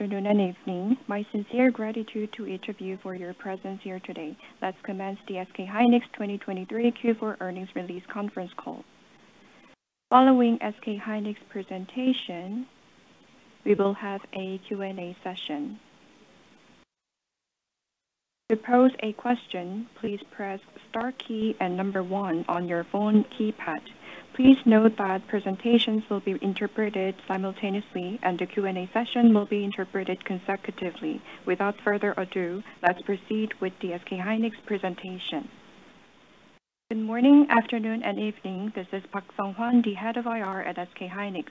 Good afternoon and evening. My sincere gratitude to each of you for your presence here today. Let's commence the SK Hynix 2023 Q4 earnings release conference call. Following SK Hynix presentation, we will have a Q&A session. To pose a question, please press star key and number one on your phone keypad. Please note that presentations will be interpreted simultaneously, and the Q&A session will be interpreted consecutively. Without further ado, let's proceed with the SK Hynix presentation. Good morning, afternoon, and evening. This is Seong Hwan Park, the Head of IR at SK Hynix.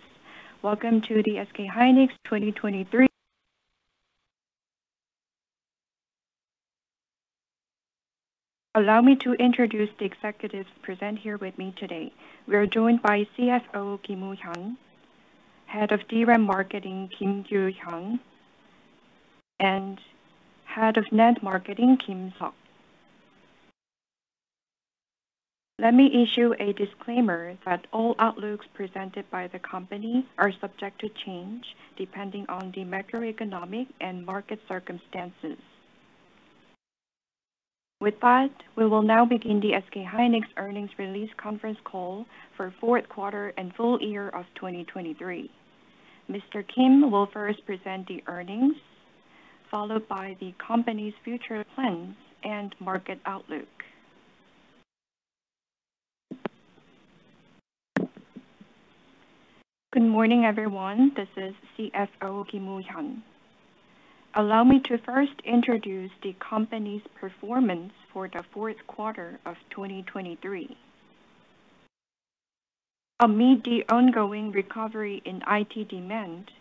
Welcome to the SK Hynix 2023. Allow me to introduce the executives present here with me today. We are joined by CFO, Woo-Hyun Kim, Head of DRAM Marketing, Kyu Hyun Kim, and Head of NAND Marketing, Seok Kim. Let me issue a disclaimer that all outlooks presented by the company are subject to change, depending on the macroeconomic and market circumstances. With that, we will now begin the SK Hynix earnings release conference call for fourth quarter and full year of 2023. Mr. Kim will first present the earnings, followed by the company's future plans and market outlook. Good morning, everyone. This is CFO Woo-Hyun Kim. Allow me to first introduce the company's performance for the fourth quarter of 2023. Amid the ongoing recovery in IT demand,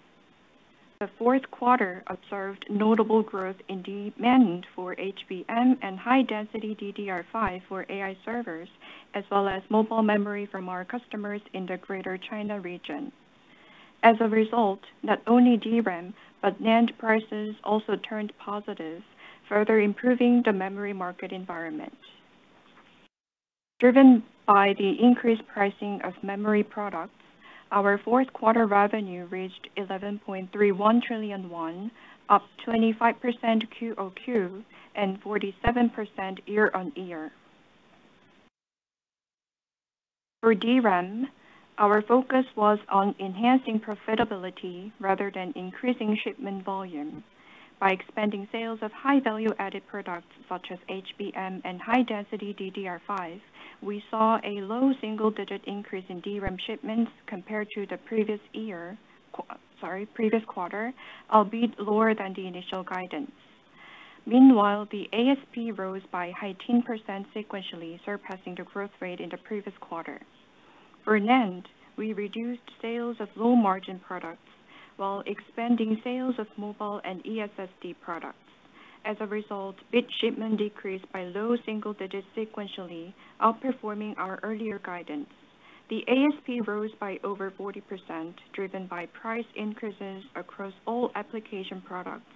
the fourth quarter observed notable growth in demand for HBM and high-density DDR5 for AI servers, as well as mobile memory from our customers in the Greater China region. As a result, not only DRAM, but NAND prices also turned positive, further improving the memory market environment. Driven by the increased pricing of memory products, our fourth quarter revenue reached 11.31 trillion won, up 25% QoQ, and 47% year-on-year. For DRAM, our focus was on enhancing profitability rather than increasing shipment volume. By expanding sales of high-value-added products, such as HBM and high-density DDR5, we saw a low single-digit increase in DRAM shipments compared to the previous year, sorry, previous quarter, albeit lower than the initial guidance. Meanwhile, the ASP rose by 18% sequentially, surpassing the growth rate in the previous quarter. For NAND, we reduced sales of low-margin products while expanding sales of mobile and eSSD products. As a result, bit shipment decreased by low single digits sequentially, outperforming our earlier guidance. The ASP rose by over 40%, driven by price increases across all application products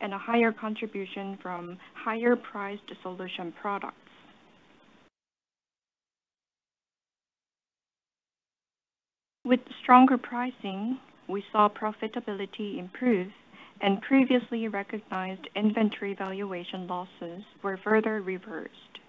and a higher contribution from higher-priced solution products. With stronger pricing, we saw profitability improve and previously recognized inventory valuation losses were further reversed.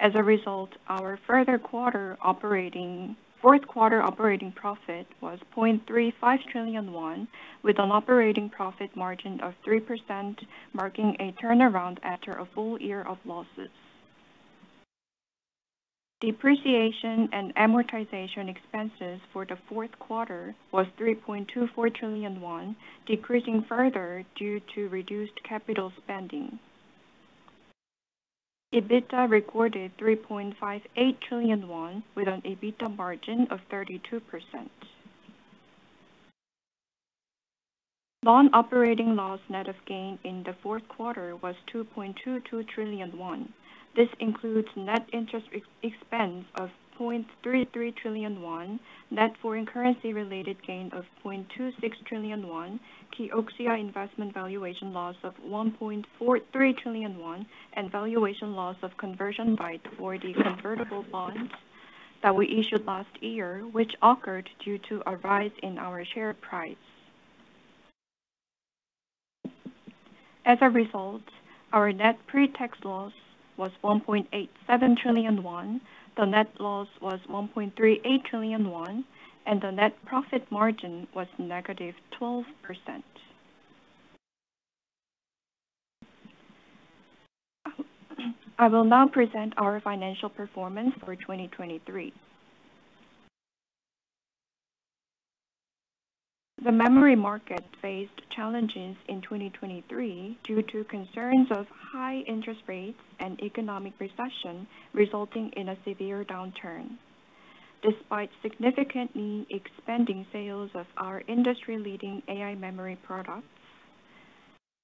As a result, our fourth quarter operating profit was 0.35 trillion won, with an operating profit margin of 3%, marking a turnaround after a full year of losses. Depreciation and amortization expenses for the fourth quarter was 3.24 trillion won, decreasing further due to reduced capital spending. EBITDA recorded 3.58 trillion won with an EBITDA margin of 32%. Non-operating loss net of gain in the fourth quarter was 2.22 trillion won. This includes net interest expense of 0.33 trillion won, net foreign currency-related gain of 0.26 trillion won, Kioxia investment valuation loss of 1.43 trillion won, and valuation loss of conversion by the foreign convertible bonds that we issued last year, which occurred due to a rise in our share price. As a result, our net pre-tax loss was 1.87 trillion won, the net loss was 1.38 trillion won, and the net profit margin was -12%. I will now present our financial performance for 2023. The memory market faced challenges in 2023 due to concerns of high interest rates and economic recession, resulting in a severe downturn. Despite significantly expanding sales of our industry-leading AI memory products,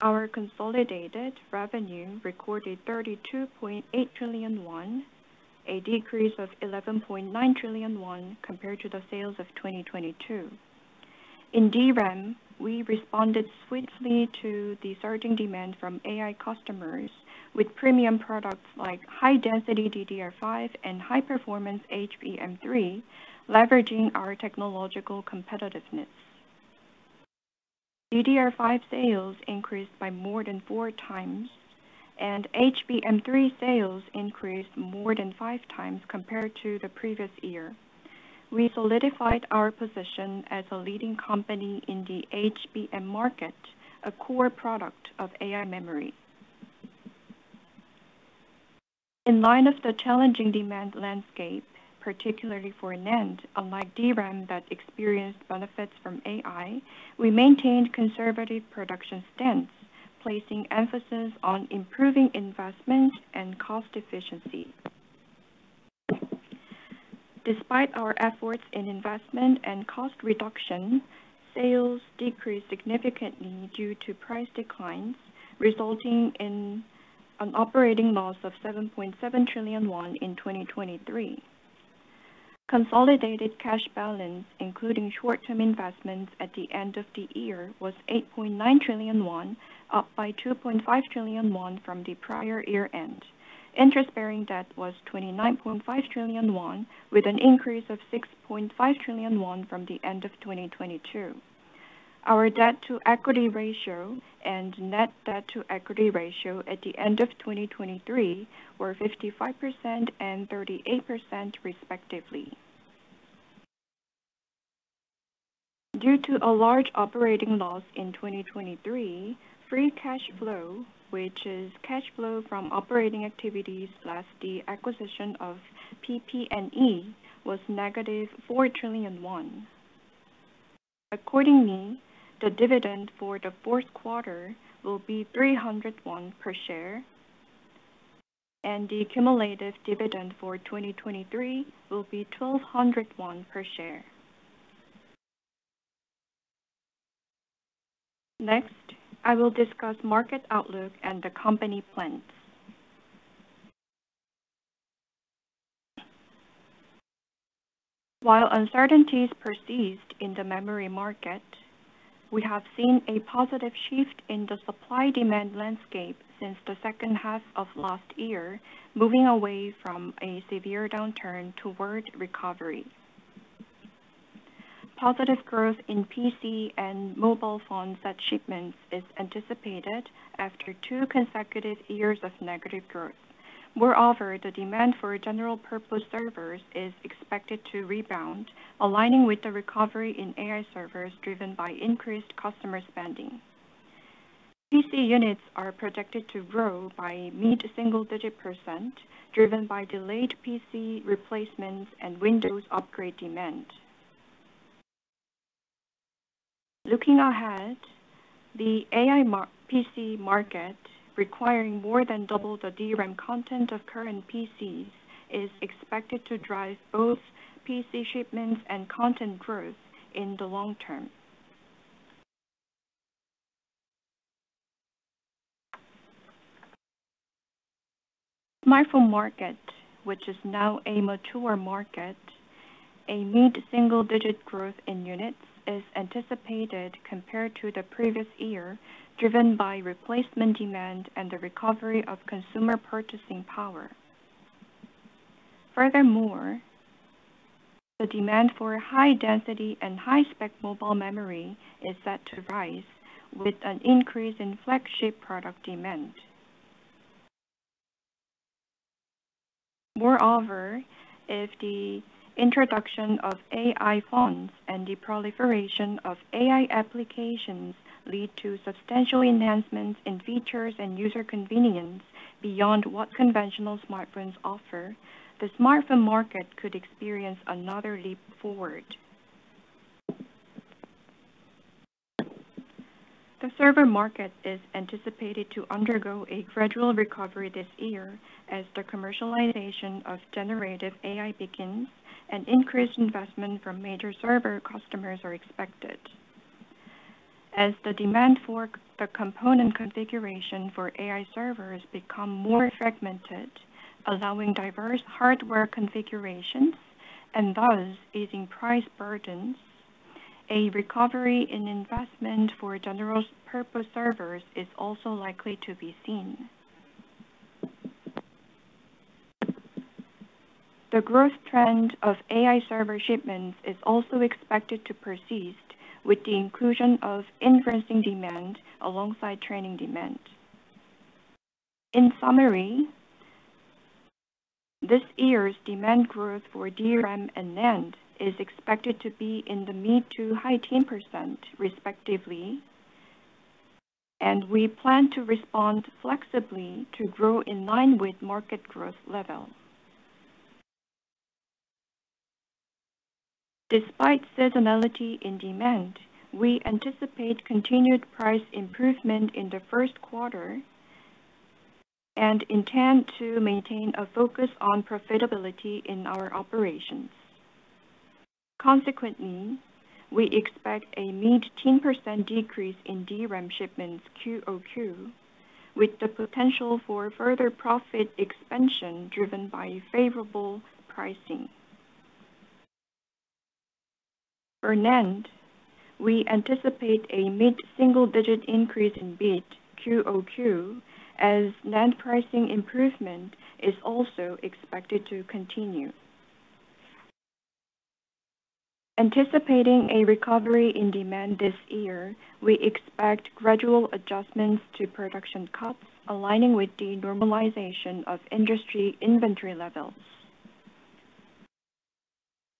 our consolidated revenue recorded 32.8 trillion won, a decrease of 11.9 trillion won compared to the sales of 2022. In DRAM, we responded swiftly to the surging demand from AI customers with premium products like high-density DDR5 and high-performance HBM3, leveraging our technological competitiveness.... DDR5 sales increased by more than 4 times, and HBM3 sales increased more than 5 times compared to the previous year. We solidified our position as a leading company in the HBM market, a core product of AI memory. In line of the challenging demand landscape, particularly for NAND, unlike DRAM that experienced benefits from AI, we maintained conservative production stance, placing emphasis on improving investment and cost efficiency. Despite our efforts in investment and cost reduction, sales decreased significantly due to price declines, resulting in an operating loss of 7.7 trillion won in 2023. Consolidated cash balance, including short-term investments at the end of the year, was 8.9 trillion won, up by 2.5 trillion won from the prior year-end. Interest-bearing debt was 29.5 trillion won, with an increase of 6.5 trillion won from the end of 2022. Our debt-to-equity ratio and net debt-to-equity ratio at the end of 2023 were 55% and 38%, respectively. Due to a large operating loss in 2023, free cash flow, which is cash flow from operating activities, less the acquisition of PP&E, was -KRW 4 trillion. Accordingly, the dividend for the fourth quarter will be 300 won per share, and the cumulative dividend for 2023 will be 1,200 won per share. Next, I will discuss market outlook and the company plans. While uncertainties persist in the memory market, we have seen a positive shift in the supply-demand landscape since the second half of last year, moving away from a severe downturn toward recovery. Positive growth in PC and mobile phone set shipments is anticipated after two consecutive years of negative growth. Moreover, the demand for general-purpose servers is expected to rebound, aligning with the recovery in AI servers, driven by increased customer spending. PC units are projected to grow by mid-single-digit %, driven by delayed PC replacements and Windows upgrade demand. Looking ahead, the AI PC market, requiring more than double the DRAM content of current PCs, is expected to drive both PC shipments and content growth in the long term. Smartphone market, which is now a mature market, a mid-single-digit growth in units is anticipated compared to the previous year, driven by replacement demand and the recovery of consumer purchasing power. Furthermore, the demand for high density and high-spec mobile memory is set to rise with an increase in flagship product demand. Moreover, if the introduction of AI phones and the proliferation of AI applications lead to substantial enhancements in features and user convenience beyond what conventional smartphones offer, the smartphone market could experience another leap forward. The server market is anticipated to undergo a gradual recovery this year as the commercialization of generative AI begins, and increased investment from major server customers are expected. As the demand for the component configuration for AI servers become more fragmented, allowing diverse hardware configurations and thus easing price burdens, a recovery in investment for general-purpose servers is also likely to be seen. The growth trend of AI server shipments is also expected to persist, with the inclusion of inferencing demand alongside training demand. In summary, this year's demand growth for DRAM and NAND is expected to be in the mid- to high-teens %, respectively, and we plan to respond flexibly to grow in line with market growth levels. Despite seasonality in demand, we anticipate continued price improvement in the first quarter and intend to maintain a focus on profitability in our operations. Consequently, we expect a mid-teens % decrease in DRAM shipments QoQ, with the potential for further profit expansion driven by favorable pricing. For NAND, we anticipate a mid-single-digit increase in bit QoQ, as NAND pricing improvement is also expected to continue. Anticipating a recovery in demand this year, we expect gradual adjustments to production cuts, aligning with the normalization of industry inventory levels.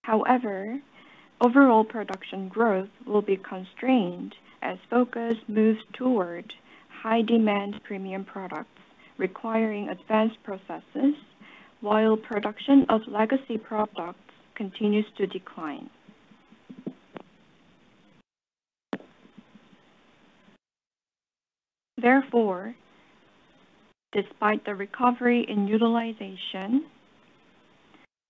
However, overall production growth will be constrained as focus moves toward high-demand premium products, requiring advanced processes, while production of legacy products continues to decline. Therefore, despite the recovery in utilization,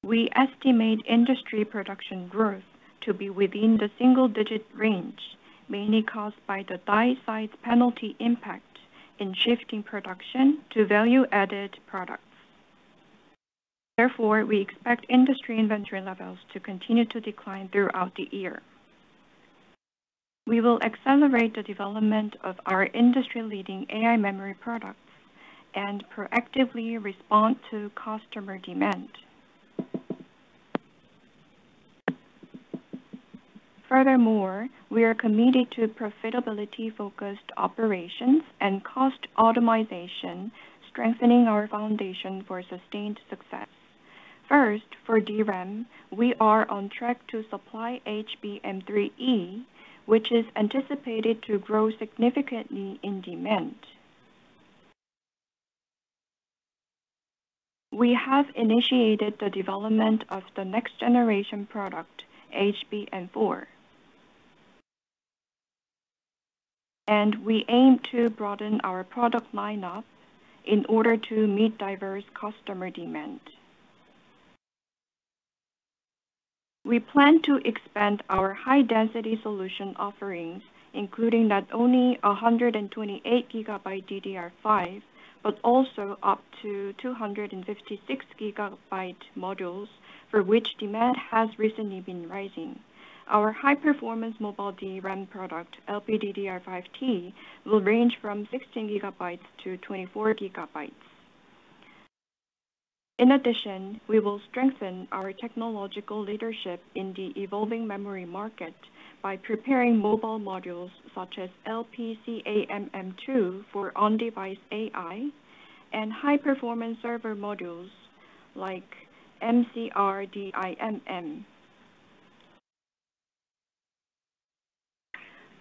we estimate industry production growth to be within the single-digit range, mainly caused by the die size penalty impact in shifting production to value-added products. Therefore, we expect industry inventory levels to continue to decline throughout the year. We will accelerate the development of our industry-leading AI memory products and proactively respond to customer demand. Furthermore, we are committed to profitability-focused operations and cost optimization, strengthening our foundation for sustained success. First, for DRAM, we are on track to supply HBM3E, which is anticipated to grow significantly in demand. We have initiated the development of the next generation product, HBM4. We aim to broaden our product lineup in order to meet diverse customer demand. We plan to expand our high-density solution offerings, including not only 128 GB DDR5, but also up to 256 GB modules, for which demand has recently been rising. Our high-performance mobile DRAM product, LPDDR5T, will range from 16 GB-24 GB. In addition, we will strengthen our technological leadership in the evolving memory market by preparing mobile modules, such as LPCAMM2, for on-device AI and high-performance server modules like MCR DIMM.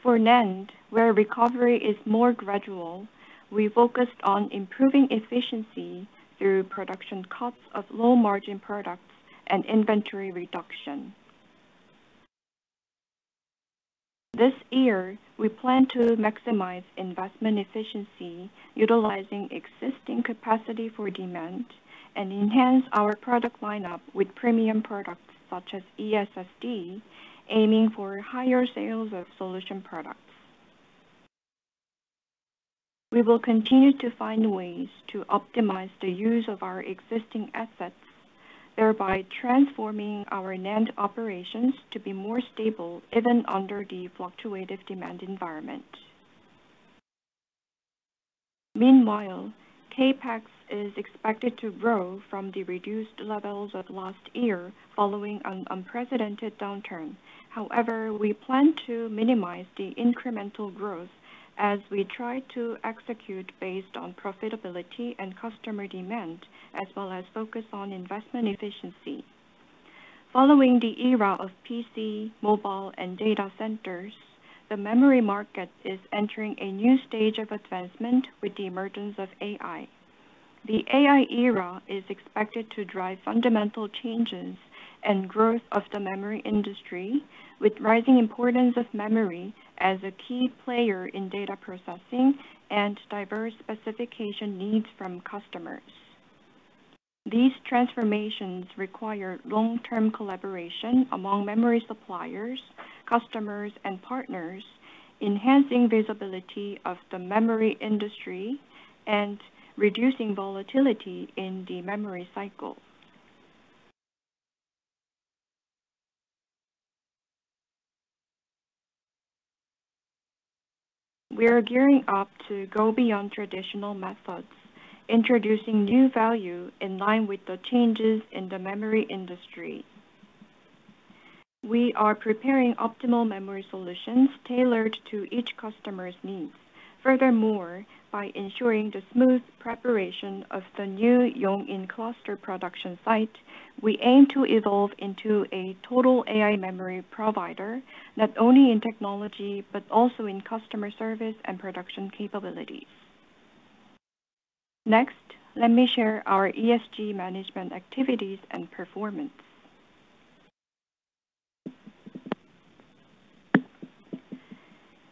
For NAND, where recovery is more gradual, we focused on improving efficiency through production cuts of low-margin products and inventory reduction. This year, we plan to maximize investment efficiency, utilizing existing capacity for demand, and enhance our product lineup with premium products, such as eSSD, aiming for higher sales of solution products. We will continue to find ways to optimize the use of our existing assets, thereby transforming our NAND operations to be more stable, even under the fluctuative demand environment. Meanwhile, CapEx is expected to grow from the reduced levels of last year following an unprecedented downturn. However, we plan to minimize the incremental growth as we try to execute based on profitability and customer demand, as well as focus on investment efficiency. Following the era of PC, mobile, and data centers, the memory market is entering a new stage of advancement with the emergence of AI. The AI era is expected to drive fundamental changes and growth of the memory industry, with rising importance of memory as a key player in data processing and diverse specification needs from customers. These transformations require long-term collaboration among memory suppliers, customers, and partners, enhancing visibility of the memory industry and reducing volatility in the memory cycle. We are gearing up to go beyond traditional methods, introducing new value in line with the changes in the memory industry. We are preparing optimal memory solutions tailored to each customer's needs. Furthermore, by ensuring the smooth preparation of the new Yongin cluster production site, we aim to evolve into a total AI memory provider, not only in technology, but also in customer service and production capabilities. Next, let me share our ESG management activities and performance.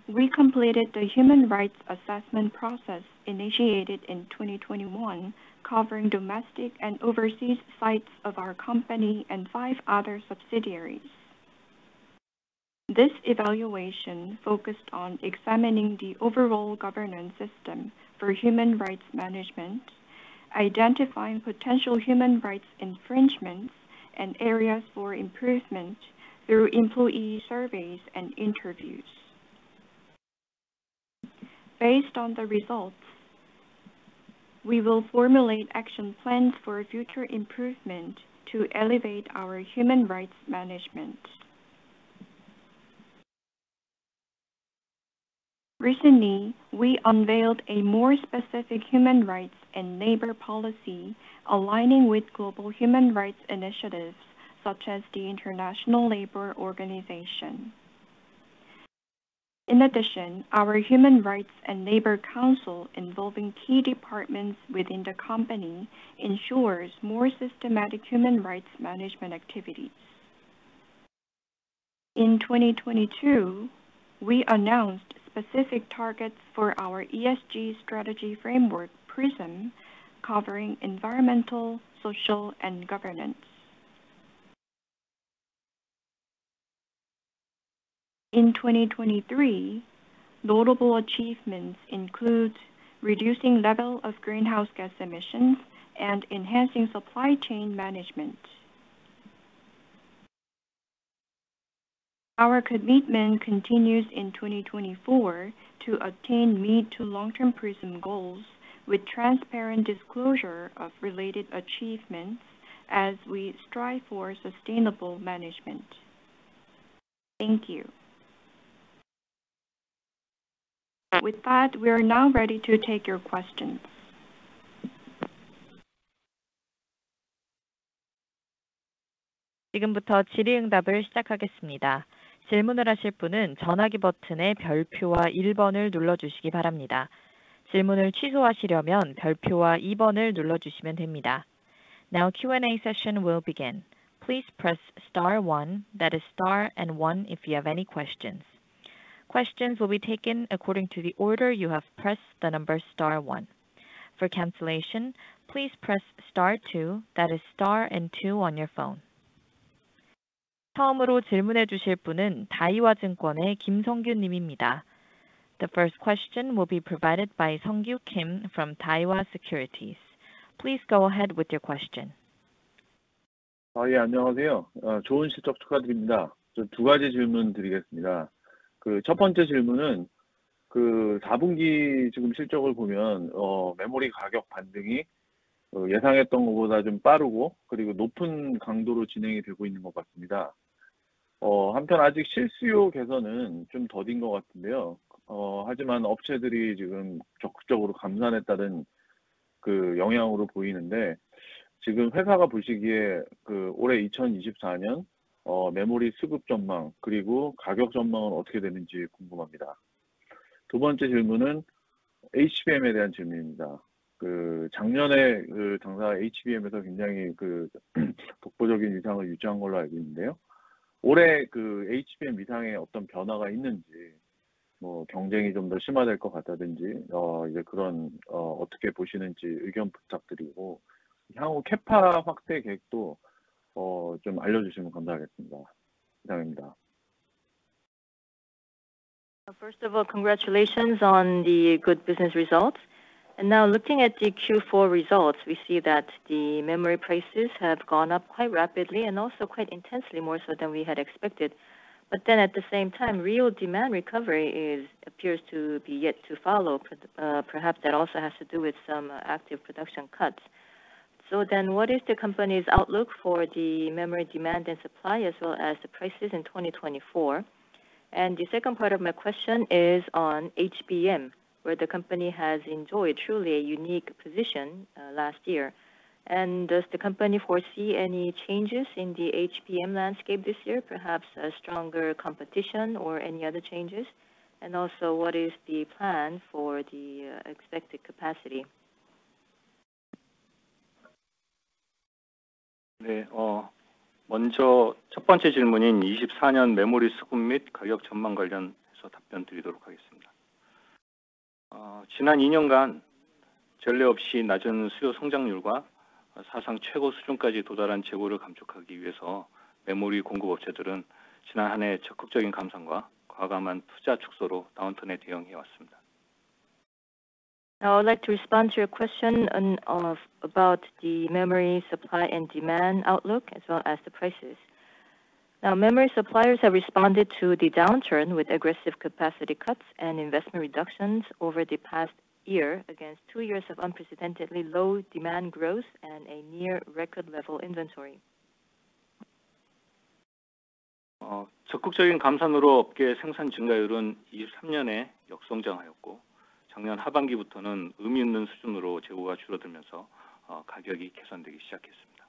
We completed the human rights assessment process initiated in 2021, covering domestic and overseas sites of our company and five other subsidiaries. This evaluation focused on examining the overall governance system for human rights management, identifying potential human rights infringements and areas for improvement through employee surveys and interviews. Based on the results, we will formulate action plans for future improvement to elevate our human rights management. Recently, we unveiled a more specific human rights and labor policy aligning with global human rights initiatives, such as the International Labor Organization. In addition, our human rights and labor council, involving key departments within the company, ensures more systematic human rights management activities. In 2022, we announced specific targets for our ESG strategy framework, PRISM, covering environmental, social, and governance. In 2023, notable achievements include reducing level of greenhouse gas emissions and enhancing supply chain management. Our commitment continues in 2024 to obtain mid- to long-term PRISM goals with transparent disclosure of related achievements as we strive for sustainable management. Thank you. With that, we are now ready to take your questions. 지금부터 질의응답을 시작하겠습니다. 질문을 하실 분은 전화기 버튼의 별표와 일번을 눌러주시기 바랍니다. 질문을 취소하시려면 별표와 이번을 눌러주시면 됩니다. Now, Q&A session will begin. Please press star one, that is star and one, if you have any questions. Questions will be taken according to the order you have pressed the number star one. For cancellation, please press star two, that is star and two on your phone. 처음으로 질문해 주실 분은 다이와증권의 김성규님입니다. The first question will be provided by Sung Kyu Kim from Daiwa Securities. Please go ahead with your question. 아, 예, 안녕하세요. 좋은 실적 축하드립니다. 저두 가지 질문드리겠습니다. 그첫 번째 질문은 그 4분기 지금 실적을 보면, 메모리 가격 반등이 예상했던 것보다 좀 빠르고, 그리고 높은 강도로 진행이 되고 있는 것 같습니다. 한편 아직 실수요 개선은 좀 더딘 것 같은데요. 하지만 업체들이 지금 적극적으로 감산했다는 그 영향으로 보이는데, 지금 회사가 보시기에 그 올해 2024년 메모리 수급 전망, 그리고 가격 전망은 어떻게 되는지 궁금합니다. 두 번째 질문은 HBM에 대한 질문입니다. 그 작년에 그 당사 HBM에서 굉장히 그 독보적인 위상을 유지한 걸로 알고 있는데요. 올해 그 HBM 위상에 어떤 변화가 있는지, 뭐 경쟁이 좀더 심화될 것 같다든지, 이제 그런 어떻게 보시는지 의견 부탁드리고, 향후 Capa 확대 계획도 좀 알려주시면 감사하겠습니다. 이상입니다. First of all, congratulations on the good business results. And now looking at the Q4 results, we see that the memory prices have gone up quite rapidly and also quite intensely, more so than we had expected. But then at the same time, real demand recovery is, appears to be yet to follow. Perhaps that also has to do with some active production cuts. So then, what is the company's outlook for the memory demand and supply, as well as the prices in 2024? And the second part of my question is on HBM, where the company has enjoyed truly a unique position last year. And does the company foresee any changes in the HBM landscape this year, perhaps a stronger competition or any other changes? And also, what is the plan for the expected capacity? 네, 먼저 첫 번째 질문인 2024년 메모리 수급 및 가격 전망 관련해서 답변드리도록 하겠습니다. 지난 2년간 전례 없이 낮은 수요 성장률과 사상 최고 수준까지 도달한 재고를 감축하기 위해서 메모리 공급 업체들은 지난 1년 적극적인 감산과 과감한 투자 축소로 다운턴에 대응해 왔습니다. Now, I'd like to respond to your question on, about the memory supply and demand outlook, as well as the prices. Now, memory suppliers have responded to the downturn with aggressive capacity cuts and investment reductions over the past year, against two years of unprecedentedly low demand growth and a near record level inventory. 적극적인 감산으로 업계 생산 증가율은 2023년에 역성장하였고, 작년 하반기부터는 의미 있는 수준으로 재고가 줄어들면서, 가격이 개선되기 시작했습니다.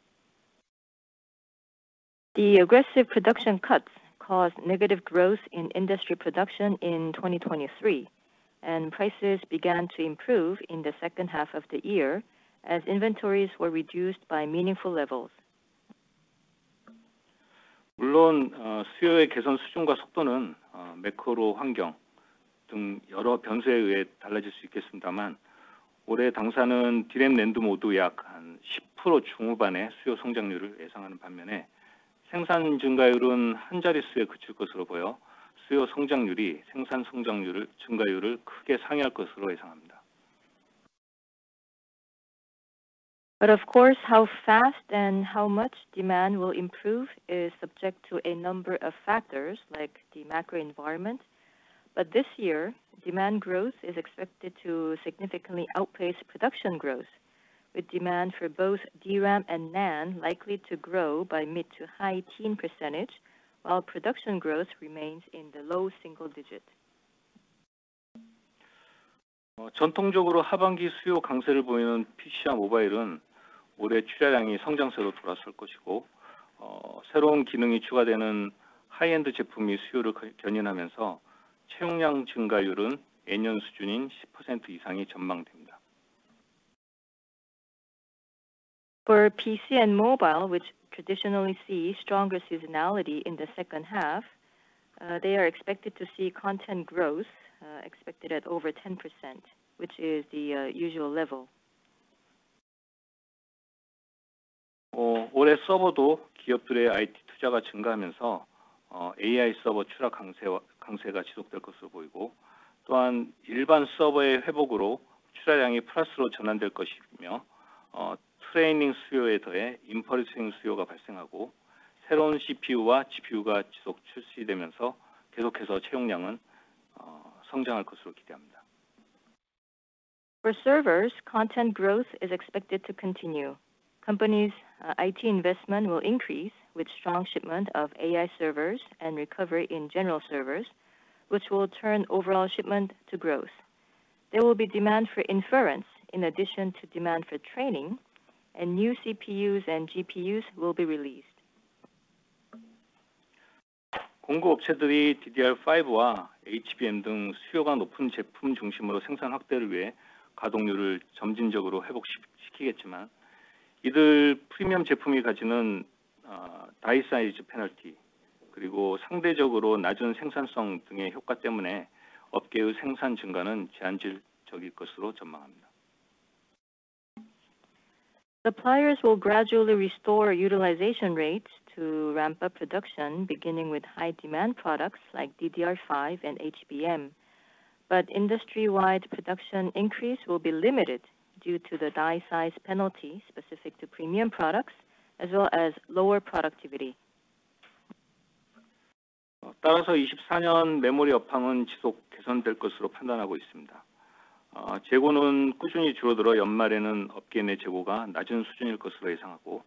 The aggressive production cuts caused negative growth in industry production in 2023, and prices began to improve in the second half of the year, as inventories were reduced by meaningful levels. 물론, 수요의 개선 수준과 속도는, 매크로 환경 등 여러 변수에 의해 달라질 수 있겠습니다만, 올해 당사는 D램, 낸드 모두 약 10% 중후반의 수요 성장률을 예상하는 반면에, 생산 증가율은 한 자릿수에 그칠 것으로 보여 수요 성장률이 생산 성장률을, 증가율을 크게 상회할 것으로 예상합니다. But of course, how fast and how much demand will improve is subject to a number of factors, like the macro environment. But this year, demand growth is expected to significantly outpace production growth, with demand for both DRAM and NAND likely to grow by mid- to high-teens %, while production growth remains in the low single-digit. 전통적으로 하반기 수요 강세를 보이는 PC와 모바일은 올해 출하량이 성장세로 돌아설 것이고, 새로운 기능이 추가되는 하이엔드 제품이 수요를 견인하면서 채용량 증가율은 예년 수준인 10% 이상이 전망됩니다. For PC and mobile, which traditionally see stronger seasonality in the second half, they are expected to see content growth, expected at over 10%, which is the usual level. 올해 서버도 기업들의 IT 투자가 증가하면서, AI 서버 출하 강세와 강세가 지속될 것으로 보이고, 또한 일반 서버의 회복으로 출하량이 플러스로 전환될 것이며, 트레이닝 수요에 더해 인퍼렌싱 수요가 발생하고, 새로운 CPU와 GPU가 지속 출시되면서 계속해서 채용량은 성장할 것으로 기대합니다. For servers, content growth is expected to continue. Companies' IT investment will increase, with strong shipment of AI servers and recovery in general servers, which will turn overall shipment to growth. There will be demand for inference, in addition to demand for training, and new CPUs and GPUs will be released. 공급업체들이 DDR5와 HBM 등 수요가 높은 제품 중심으로 생산 확대를 위해 가동률을 점진적으로 회복시켜 가겠지만, 이들 프리미엄 제품이 가지는 다이 사이즈 페널티, 그리고 상대적으로 낮은 생산성 등의 효과 때문에 업계의 생산 증가는 제한적일 것으로 전망합니다. Suppliers will gradually restore utilization rates to ramp up production, beginning with high-demand products like DDR5 and HBM. But industry-wide production increase will be limited due to the die size penalty, specific to premium products, as well as lower productivity. 따라서 2024년 메모리 업황은 지속 개선될 것으로 판단하고 있습니다. 재고는 꾸준히 줄어들어 연말에는 업계 내 재고가 낮은 수준일 것으로 예상하고,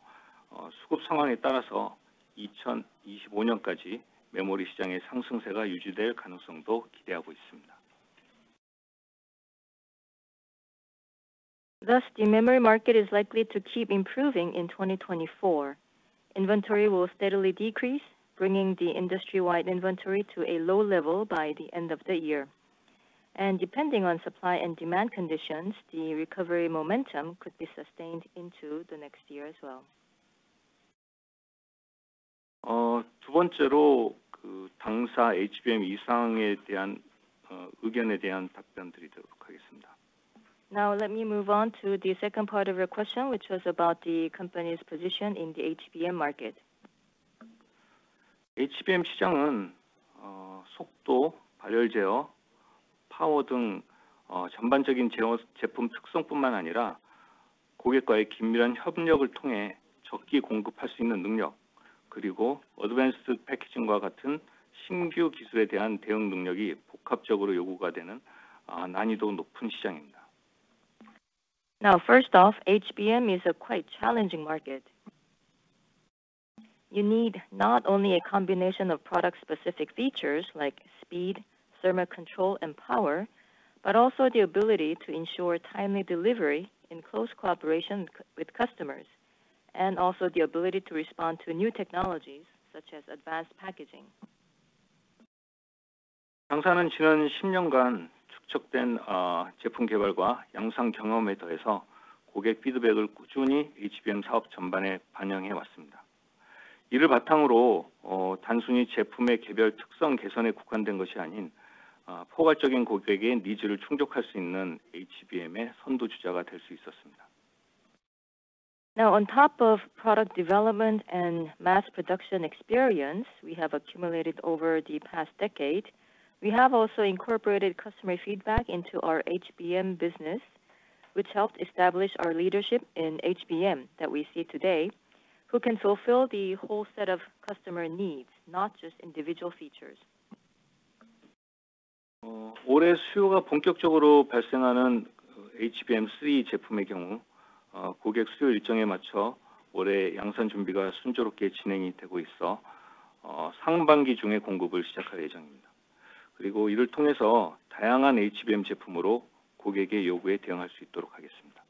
수급 상황에 따라서 2025년까지 메모리 시장의 상승세가 유지될 가능성도 기대하고 있습니다. Thus, the memory market is likely to keep improving in 2024. Inventory will steadily decrease, bringing the industry-wide inventory to a low level by the end of the year. Depending on supply and demand conditions, the recovery momentum could be sustained into the next year as well. 두 번째로, 그 당사 HBM 2쌍에 대한, 의견에 대한 답변 드리도록 하겠습니다. Now, let me move on to the second part of your question, which was about the company's position in the HBM market. HBM 시장은, 속도, 발열 제어, 파워 등, 전반적인 제어스, 제품 특성뿐만 아니라, 고객과의 긴밀한 협력을 통해 적기 공급할 수 있는 능력, 그리고 advanced packaging과 같은 신규 기술에 대한 대응 능력이 복합적으로 요구가 되는, 난이도 높은 시장입니다. Now, first off, HBM is a quite challenging market. You need not only a combination of product-specific features like speed, thermal control, and power, but also the ability to ensure timely delivery in close cooperation with customers, and also the ability to respond to new technologies, such as advanced packaging. 당사는 지난 십 년간 축적된, 제품 개발과 양산 경험에 더해서 고객 피드백을 꾸준히 HBM 사업 전반에 반영해 왔습니다. 이를 바탕으로, 단순히 제품의 개별 특성 개선에 국한된 것이 아닌, 포괄적인 고객의 니즈를 충족할 수 있는 HBM의 선두 주자가 될수 있었습니다. Now, on top of product development and mass production experience we have accumulated over the past decade, we have also incorporated customer feedback into our HBM business, which helped establish our leadership in HBM that we see today, who can fulfill the whole set of customer needs, not just individual features. 올해 수요가 본격적으로 발생하는, HBM3E 제품의 경우, 고객 수요 일정에 맞춰 올해 양산 준비가 순조롭게 진행이 되고 있어, 상반기 중에 공급을 시작할 예정입니다. 그리고 이를 통해서 다양한 HBM 제품으로 고객의 요구에 대응할 수 있도록 하겠습니다.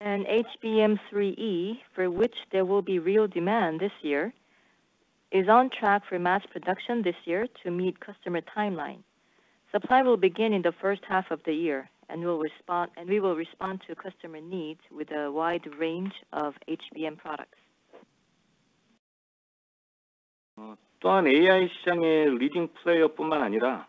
HBM3E, for which there will be real demand this year, is on track for mass production this year to meet customer timeline. Supply will begin in the first half of the year, and we will respond to customer needs with a wide range of HBM products. 또한, AI 시장의 leading player뿐만 아니라,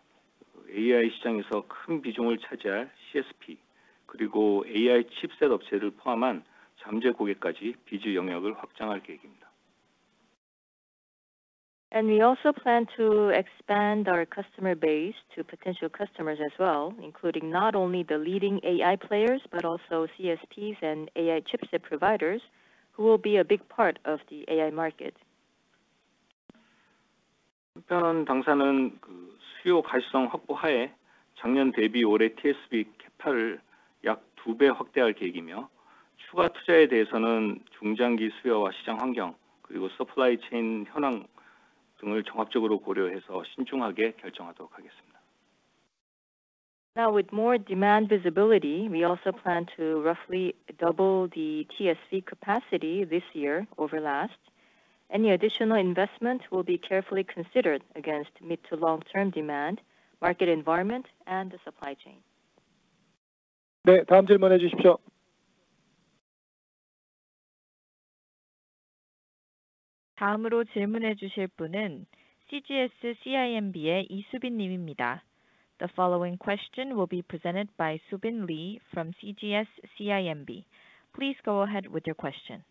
AI 시장에서 큰 비중을 차지할 CSP, 그리고 AI chipset 업체를 포함한 잠재 고객까지 비즈 영역을 확장할 계획입니다. We also plan to expand our customer base to potential customers as well, including not only the leading AI players, but also CSPs and AI chipset providers, who will be a big part of the AI market. 당사는 수요 가시성 확보하에 작년 대비 올해 TSV 캐파를 약 2배 확대할 계획이며, 추가 투자에 대해서는 중장기 수요와 시장 환경 그리고 서플라이 체인 현황 등을 종합적으로 고려해서 신중하게 결정하도록 하겠습니다. Now, with more demand visibility, we also plan to roughly double the TSV capacity this year over last. Any additional investment will be carefully considered against mid to long-term demand, market environment, and the supply chain. 네, 다음 질문해 주십시오. 다음으로 질문해 주실 분은 CGS-CIMB의 이수빈 님입니다. The following question will be presented by Soo Bin Lee from CGS-CIMB. Please go ahead with your question.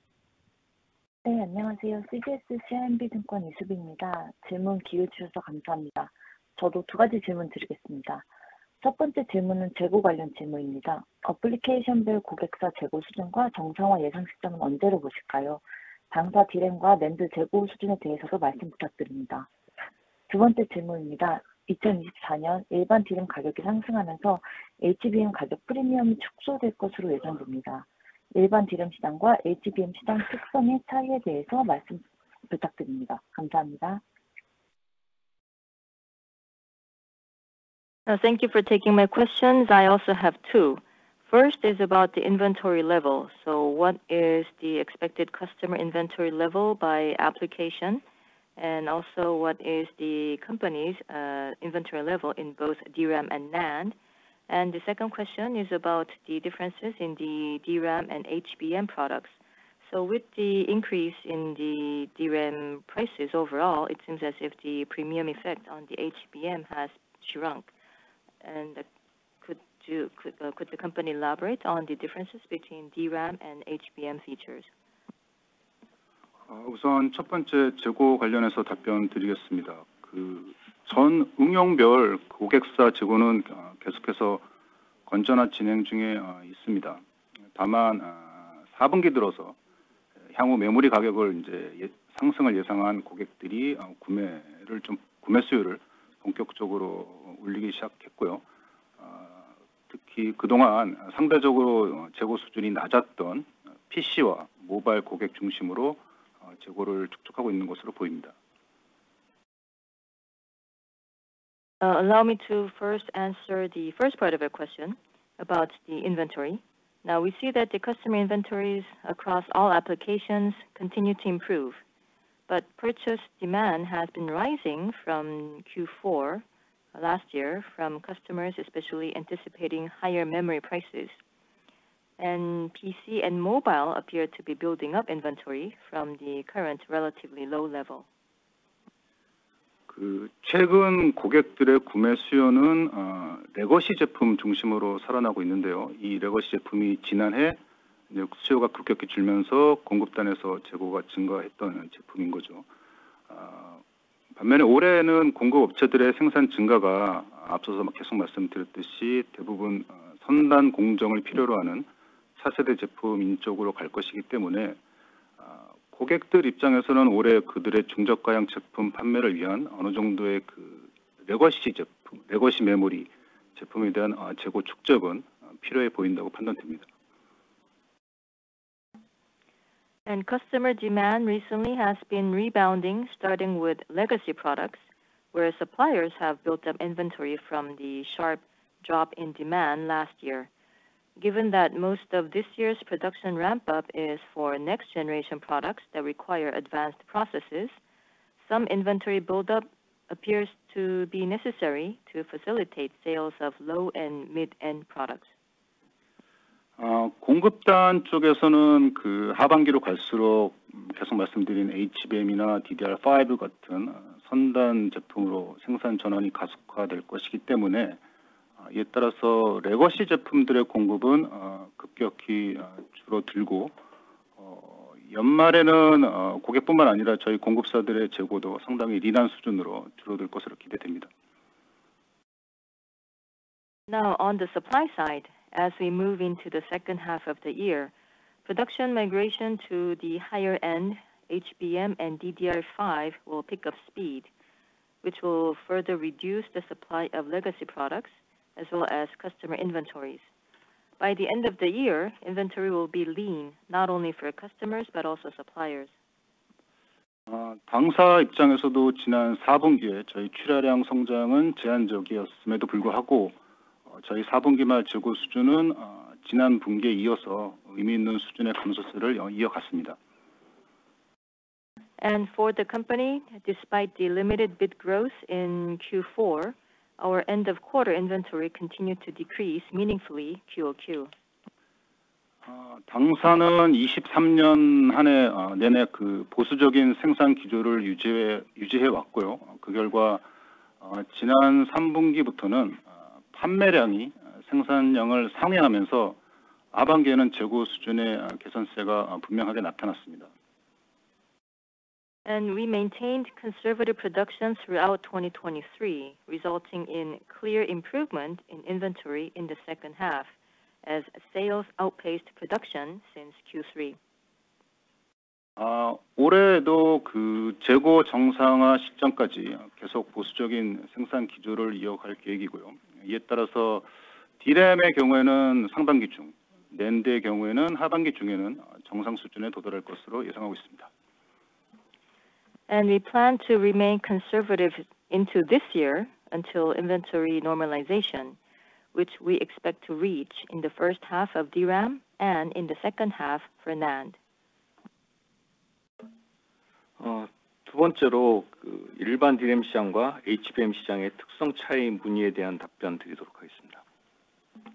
you see as the inventory levels by application for customer companies and the expected timing for normalization? Please also comment on our company's DRAM and NAND inventory levels. The second question is. As general DRAM prices rise in 2024, the HBM price premium is expected to shrink. Please comment on the differences in characteristics between the general DRAM market and the HBM market. Thank you. Thank you for taking my questions. I also have two. First is about the inventory level. So what is the expected customer inventory level by application? And also, what is the company's inventory level in both DRAM and NAND? And the second question is about the differences in the DRAM and HBM products. So with the increase in the DRAM prices overall, it seems as if the premium effect on the HBM has shrunk. And could the company elaborate on the differences between DRAM and HBM features? 우선 첫 번째 재고 관련해서 답변드리겠습니다. 그전 응용별 고객사 재고는, 계속해서 건전화 진행 중에, 있습니다. 다만, 사 분기 들어서 향후 메모리 가격을 이제 예상 상승을 예상한 고객들이, 구매를 좀, 구매 수요를 본격적으로 올리기 시작했고요. 특히 그동안 상대적으로, 재고 수준이 낮았던 PC와 모바일 고객 중심으로, 재고를 축적하고 있는 것으로 보입니다. Allow me to first answer the first part of your question about the inventory. Now, we see that the customer inventories across all applications continue to improve, but purchase demand has been rising from Q4 last year, from customers, especially anticipating higher memory prices. PC and mobile appear to be building up inventory from the current relatively low level. 그 최근 고객들의 구매 수요는, 레거시 제품 중심으로 살아나고 있는데요. 이 레거시 제품이 지난해 수요가 급격히 줄면서 공급단에서 재고가 증가했던 제품인 거죠. 반면에 올해는 공급 업체들의 생산 증가가 앞서서 계속 말씀드렸듯이, 대부분, 선단 공정을 필요로 하는 차세대 제품인 쪽으로 갈 것이기 때문에, 고객들 입장에서는 올해 그들의 중저가형 제품 판매를 위한 어느 정도의 그 레거시 제품, 레거시 메모리 제품에 대한, 재고 축적은 필요해 보인다고 판단됩니다. Customer demand recently has been rebounding, starting with legacy products, where suppliers have built up inventory from the sharp drop in demand last year. Given that most of this year's production ramp-up is for next-generation products that require advanced processes, some inventory buildup appears to be necessary to facilitate sales of low and mid-end products. 공급단 쪽에서는 그 하반기로 갈수록 계속 말씀드린 HBM이나 DDR5 같은 선단 제품으로 생산 전환이 가속화될 것이기 때문에, 이에 따라서 레거시 제품들의 공급은 급격히 줄어들고, 연말에는 고객뿐만 아니라 저희 공급사들의 재고도 상당히 lean한 수준으로 줄어들 것으로 기대됩니다. Now, on the supply side, as we move into the second half of the year, production migration to the higher-end HBM and DDR5 will pick up speed, which will further reduce the supply of legacy products as well as customer inventories. By the end of the year, inventory will be lean, not only for customers, but also suppliers. 당사 입장에서도 지난 사 분기에 저희 출하량 성장은 제한적이었음에도 불구하고, 저희 사 분기말 재고 수준은, 지난 분기에 이어서 의미 있는 수준의 감소세를 이어갔습니다. For the company, despite the limited bit growth in Q4, our end of quarter inventory continued to decrease meaningfully QoQ. 당사는 2023년 한해 내내 그 보수적인 생산 기조를 유지해 왔고요. 그 결과, 지난 3분기부터는- 판매량이 생산량을 상회하면서 하반기에는 재고 수준의 개선세가 분명하게 나타났습니다. We maintained conservative production throughout 2023, resulting in clear improvement in inventory in the second half, as sales outpaced production since Q3. 올해도 그 재고 정상화 시점까지 계속 보수적인 생산 기조를 이어갈 계획이고요. 이에 따라서 DRAM의 경우에는 상반기 중, NAND의 경우에는 하반기 중에는 정상 수준에 도달할 것으로 예상하고 있습니다. We plan to remain conservative into this year until inventory normalization, which we expect to reach in the first half of DRAM and in the second half for NAND. 두 번째로, 그 일반 DRAM 시장과 HBM 시장의 특성 차이 문의에 대한 답변 드리도록 하겠습니다.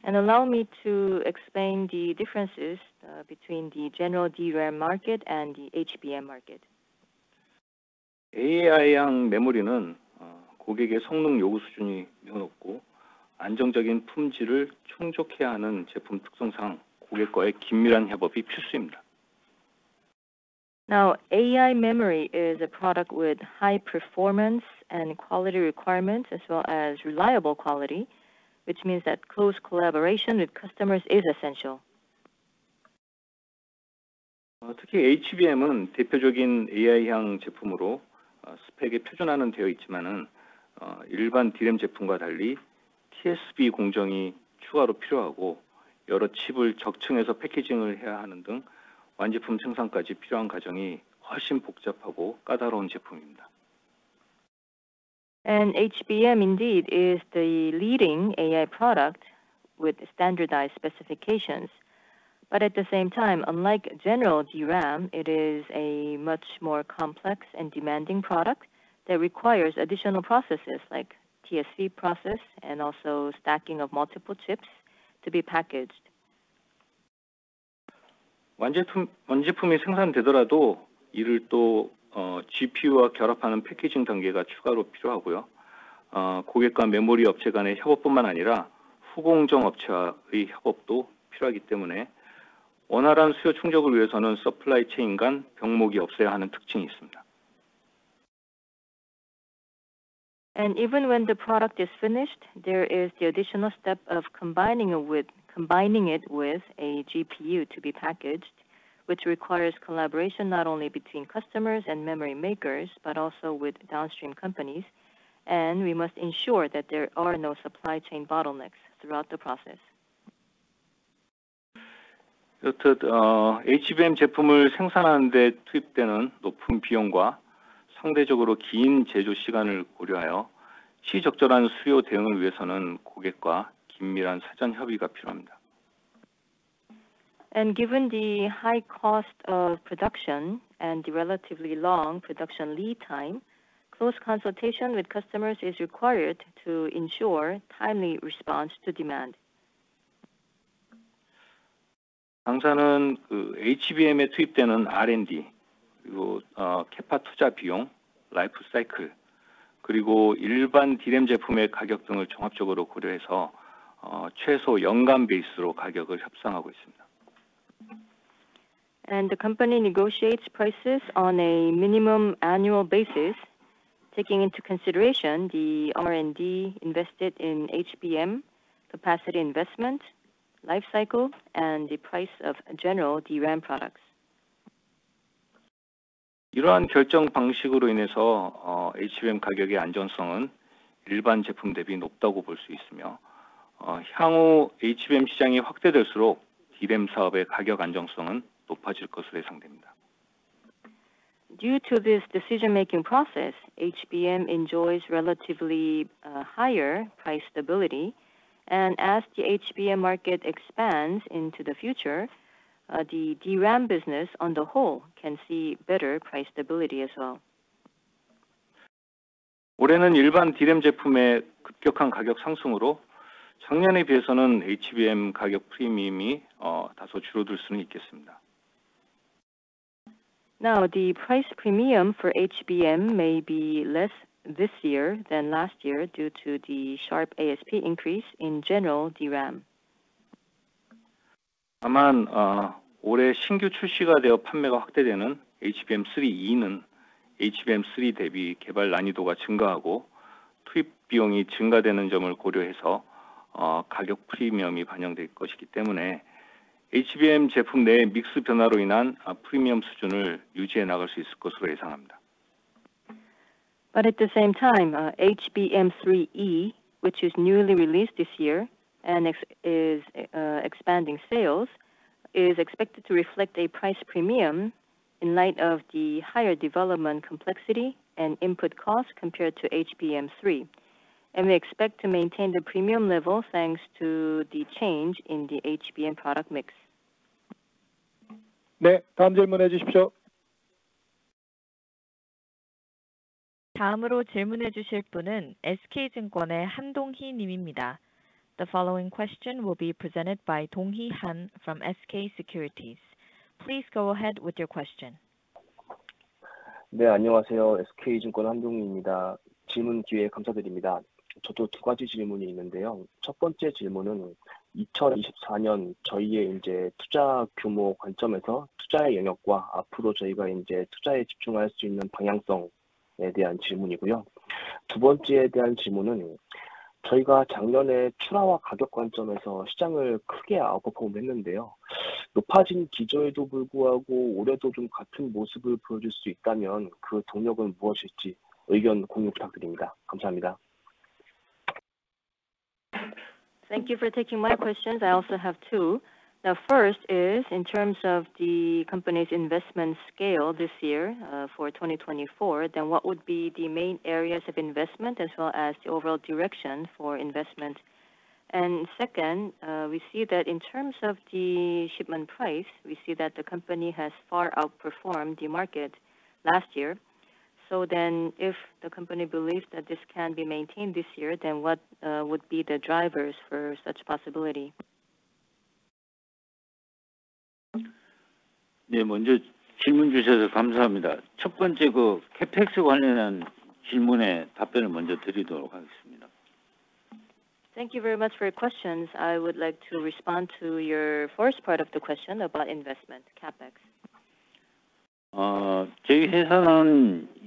Allow me to explain the differences between the general DRAM market and the HBM market. AI향 메모리는, 고객의 성능 요구 수준이 매우 높고, 안정적인 품질을 충족해야 하는 제품 특성상 고객과의 긴밀한 협업이 필수입니다. Now, AI memory is a product with high performance and quality requirements, as well as reliable quality, which means that close collaboration with customers is essential. 특히 HBM은 대표적인 AI향 제품으로, 스펙이 표준화는 되어 있지만은, 일반 DRAM 제품과 달리 TSV 공정이 추가로 필요하고, 여러 칩을 적층해서 패키징을 해야 하는 등 완제품 생산까지 필요한 과정이 훨씬 복잡하고 까다로운 제품입니다. HBM indeed is the leading AI product with standardized specifications. At the same time, unlike general DRAM, it is a much more complex and demanding product that requires additional processes, like TSV process, and also stacking of multiple chips to be packaged. 완제품, 완제품이 생산되더라도 이를 또, GPU와 결합하는 패키징 단계가 추가로 필요하고요. 고객과 메모리 업체 간의 협업뿐만 아니라 후공정 업체와의 협업도 필요하기 때문에, 원활한 수요 충족을 위해서는 서플라이 체인 간 병목이 없어야 하는 특징이 있습니다. Even when the product is finished, there is the additional step of combining it with a GPU to be packaged, which requires collaboration not only between customers and memory makers, but also with downstream companies. We must ensure that there are no supply chain bottlenecks throughout the process. 여튼, HBM 제품을 생산하는 데 투입되는 높은 비용과 상대적으로 긴 제조 시간을 고려하여, 시의적절한 수요 대응을 위해서는 고객과 긴밀한 사전 협의가 필요합니다. Given the high cost of production and the relatively long production lead time, close consultation with customers is required to ensure timely response to demand. 당사는 HBM에 투입되는 R&D, 그리고 CapEx 투자 비용, life cycle, 그리고 일반 DRAM 제품의 가격 등을 종합적으로 고려해서 최소 연간 베이스로 가격을 협상하고 있습니다. The company negotiates prices on a minimum annual basis, taking into consideration the R&D invested in HBM, capacity investment, life cycle, and the price of general DRAM products. 이러한 결정 방식으로 인해서, HBM 가격의 안정성은 일반 제품 대비 높다고 볼수 있으며, 향후 HBM 시장이 확대될수록 DRAM 사업의 가격 안정성은 높아질 것으로 예상됩니다. Due to this decision-making process, HBM enjoys relatively, higher price stability. And as the HBM market expands into the future, the DRAM business on the whole can see better price stability as well. 올해는 일반 DRAM 제품의 급격한 가격 상승으로 작년에 비해서는 HBM 가격 프리미엄이, 다소 줄어들 수는 있겠습니다. Now, the price premium for HBM may be less this year than last year, due to the sharp ASP increase in general DRAM. 다만, 올해 신규 출시가 되어 판매가 확대되는 HBM3E는 HBM3 대비 개발 난이도가 증가하고, 투입 비용이 증가되는 점을 고려해서, 가격 프리미엄이 반영될 것이기 때문에, HBM 제품 내의 믹스 변화로 인한, 프리미엄 수준을 유지해 나갈 수 있을 것으로 예상합니다. But at the same time, HBM3E, which is newly released this year and is expanding sales, is expected to reflect a price premium in light of the higher development complexity and input cost compared to HBM3. And we expect to maintain the premium level, thanks to the change in the HBM product mix. 네, 다음 질문해 주십시오. 다음으로 질문해 주실 분은 SK 증권의 한동희 님입니다.The following question will be presented by Dong Hee Han from SK Securities. Please go ahead with your question. 네, 안녕하세요. SK 증권 한동희입니다. 질문 기회 감사드립니다. 저도 두 가지 질문이 있는데요. 첫 번째 질문은 2024년 저희의 이제 투자 규모 관점에서 투자의 영역과 앞으로 저희가 이제 투자에 집중할 수 있는 방향성에 대한 질문이고요. 두 번째에 대한 질문은 저희가 작년에 출하와 가격 관점에서 시장을 크게 아웃퍼폼 했는데요. 높아진 기저에도 불구하고 올해도 좀 같은 모습을 보여줄 수 있다면 그 동력은 무엇일지 의견 공유 부탁드립니다. 감사합니다. Thank you for taking my questions. I also have two. The first is in terms of the company's investment scale this year, for 2024, then what would be the main areas of investment as well as the overall direction for investment? And second, we see that in terms of the shipment price, we see that the company has far outperformed the market last year. So then, if the company believes that this can be maintained this year, then what would be the drivers for such possibility? 네, 먼저 질문 주셔서 감사합니다. 첫 번째, 그 CapEx 관련한 질문에 답변을 먼저 드리도록 하겠습니다. Thank you very much for your questions. I would like to respond to your first part of the question about investment CapEx. To the severe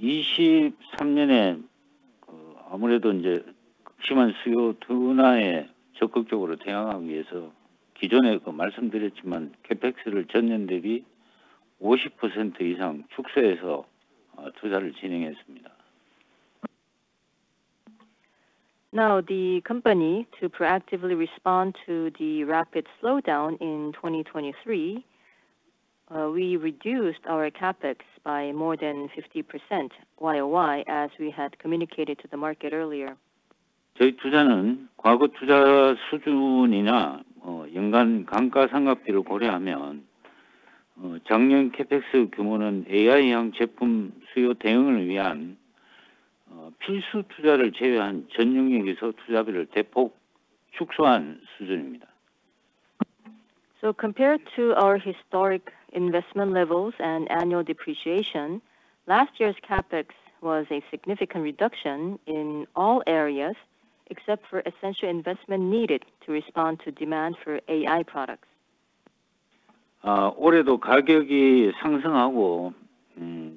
demand slowdown, as we mentioned before, reduced CapEx by more than 50% compared to the previous year and proceeded with the investment. Now, the company to proactively respond to the rapid slowdown in 2023, we reduced our CapEx by more than 50% YoY, as we had communicated to the market earlier. 저희 투자는 과거 투자 수준이나, 연간 감가상각비를 고려하면, 작년 CapEx 규모는 AI향 제품 수요 대응을 위한, 필수 투자를 제외한 전 영역에서 투자비를 대폭 축소한 수준입니다. Compared to our historic investment levels and annual depreciation, last year's CapEx was a significant reduction in all areas, except for essential investment needed to respond to demand for AI products. 올해도 가격이 상승하고,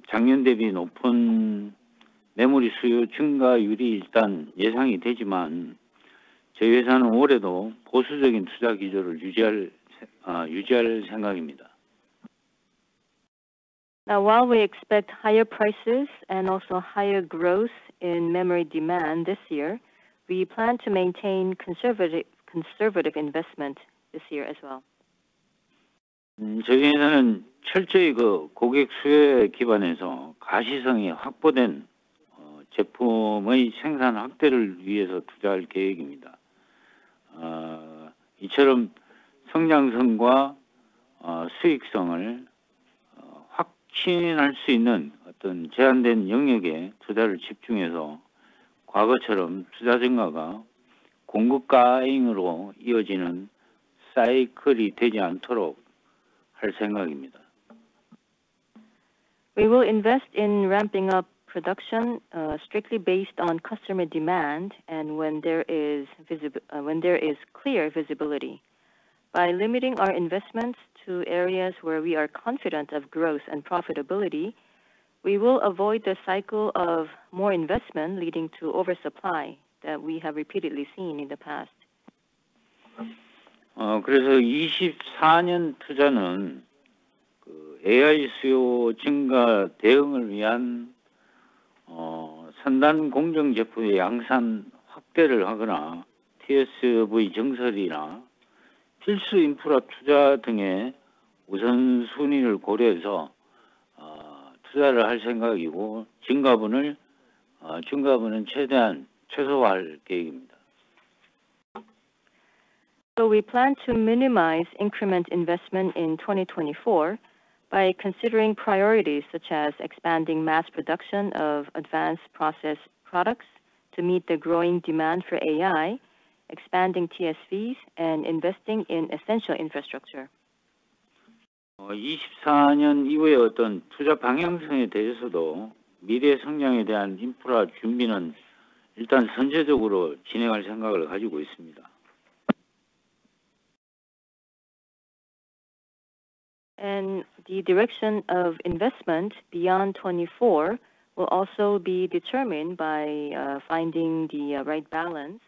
작년 대비 높은 메모리 수요 증가율이 일단 예상이 되지만, 저희 회사는 올해도 보수적인 투자 기조를 유지할 생각입니다. Now, while we expect higher prices and also higher growth in memory demand this year, we plan to maintain conservative, conservative investment this year as well. 저희는 철저히 그 고객 수요에 기반해서 가시성이 확보된 제품의 생산 확대를 위해서 투자할 계획입니다. 이처럼 성장성과 수익성을 확신할 수 있는 어떤 제한된 영역에 투자를 집중해서 과거처럼 투자 증가가 공급 과잉으로 이어지는 사이클이 되지 않도록 할 생각입니다. We will invest in ramping up production, strictly based on customer demand and when there is clear visibility. By limiting our investments to areas where we are confident of growth and profitability, we will avoid the cycle of more investment leading to oversupply that we have repeatedly seen in the past. 그래서 2024년 투자는 그 AI 수요 증가 대응을 위한, 선단 공정 제품의 양산 확대를 하거나 TSV의 증설이나 필수 인프라 투자 등의 우선순위를 고려해서, 투자를 할 생각이고, 증가분은 최대한 최소화할 계획입니다. So we plan to minimize incremental investment in 2024 by considering priorities, such as expanding mass production of advanced process products to meet the growing demand for AI, expanding TSVs, and investing in essential infrastructure. 2024년 이후의 어떤 투자 방향성에 대해서도 미래 성장에 대한 인프라 준비는 일단 선제적으로 진행할 생각을 가지고 있습니다. The direction of investment beyond 2024 will also be determined by finding the right balance.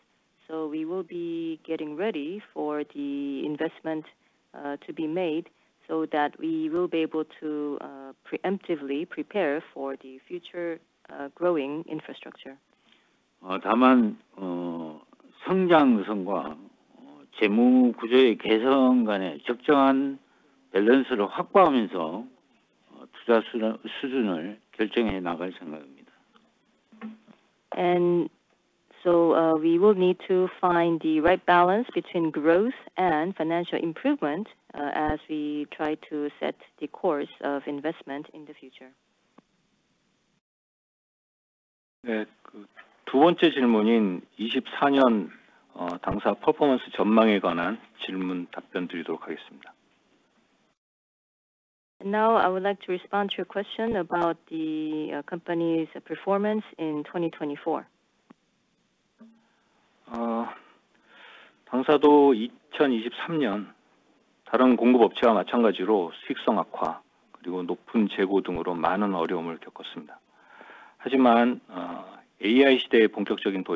We will be getting ready for the investment to be made, so that we will be able to preemptively prepare for the future growing infrastructure. 다만, 성장성과 재무구조의 개선 간에 적정한 밸런스를 확보하면서, 투자 수준을 결정해 나갈 생각입니다. So, we will need to find the right balance between growth and financial improvement, as we try to set the course of investment in the future. 네, 그두 번째 질문인 2024년, 당사 퍼포먼스 전망에 관한 질문 답변 드리도록 하겠습니다. Now, I would like to respond to your question about the company's performance in 2024. deteriorating profitability and high inventory, etc. However, with the full-fledged arrival of the AI era and the launch of high value-added products that meet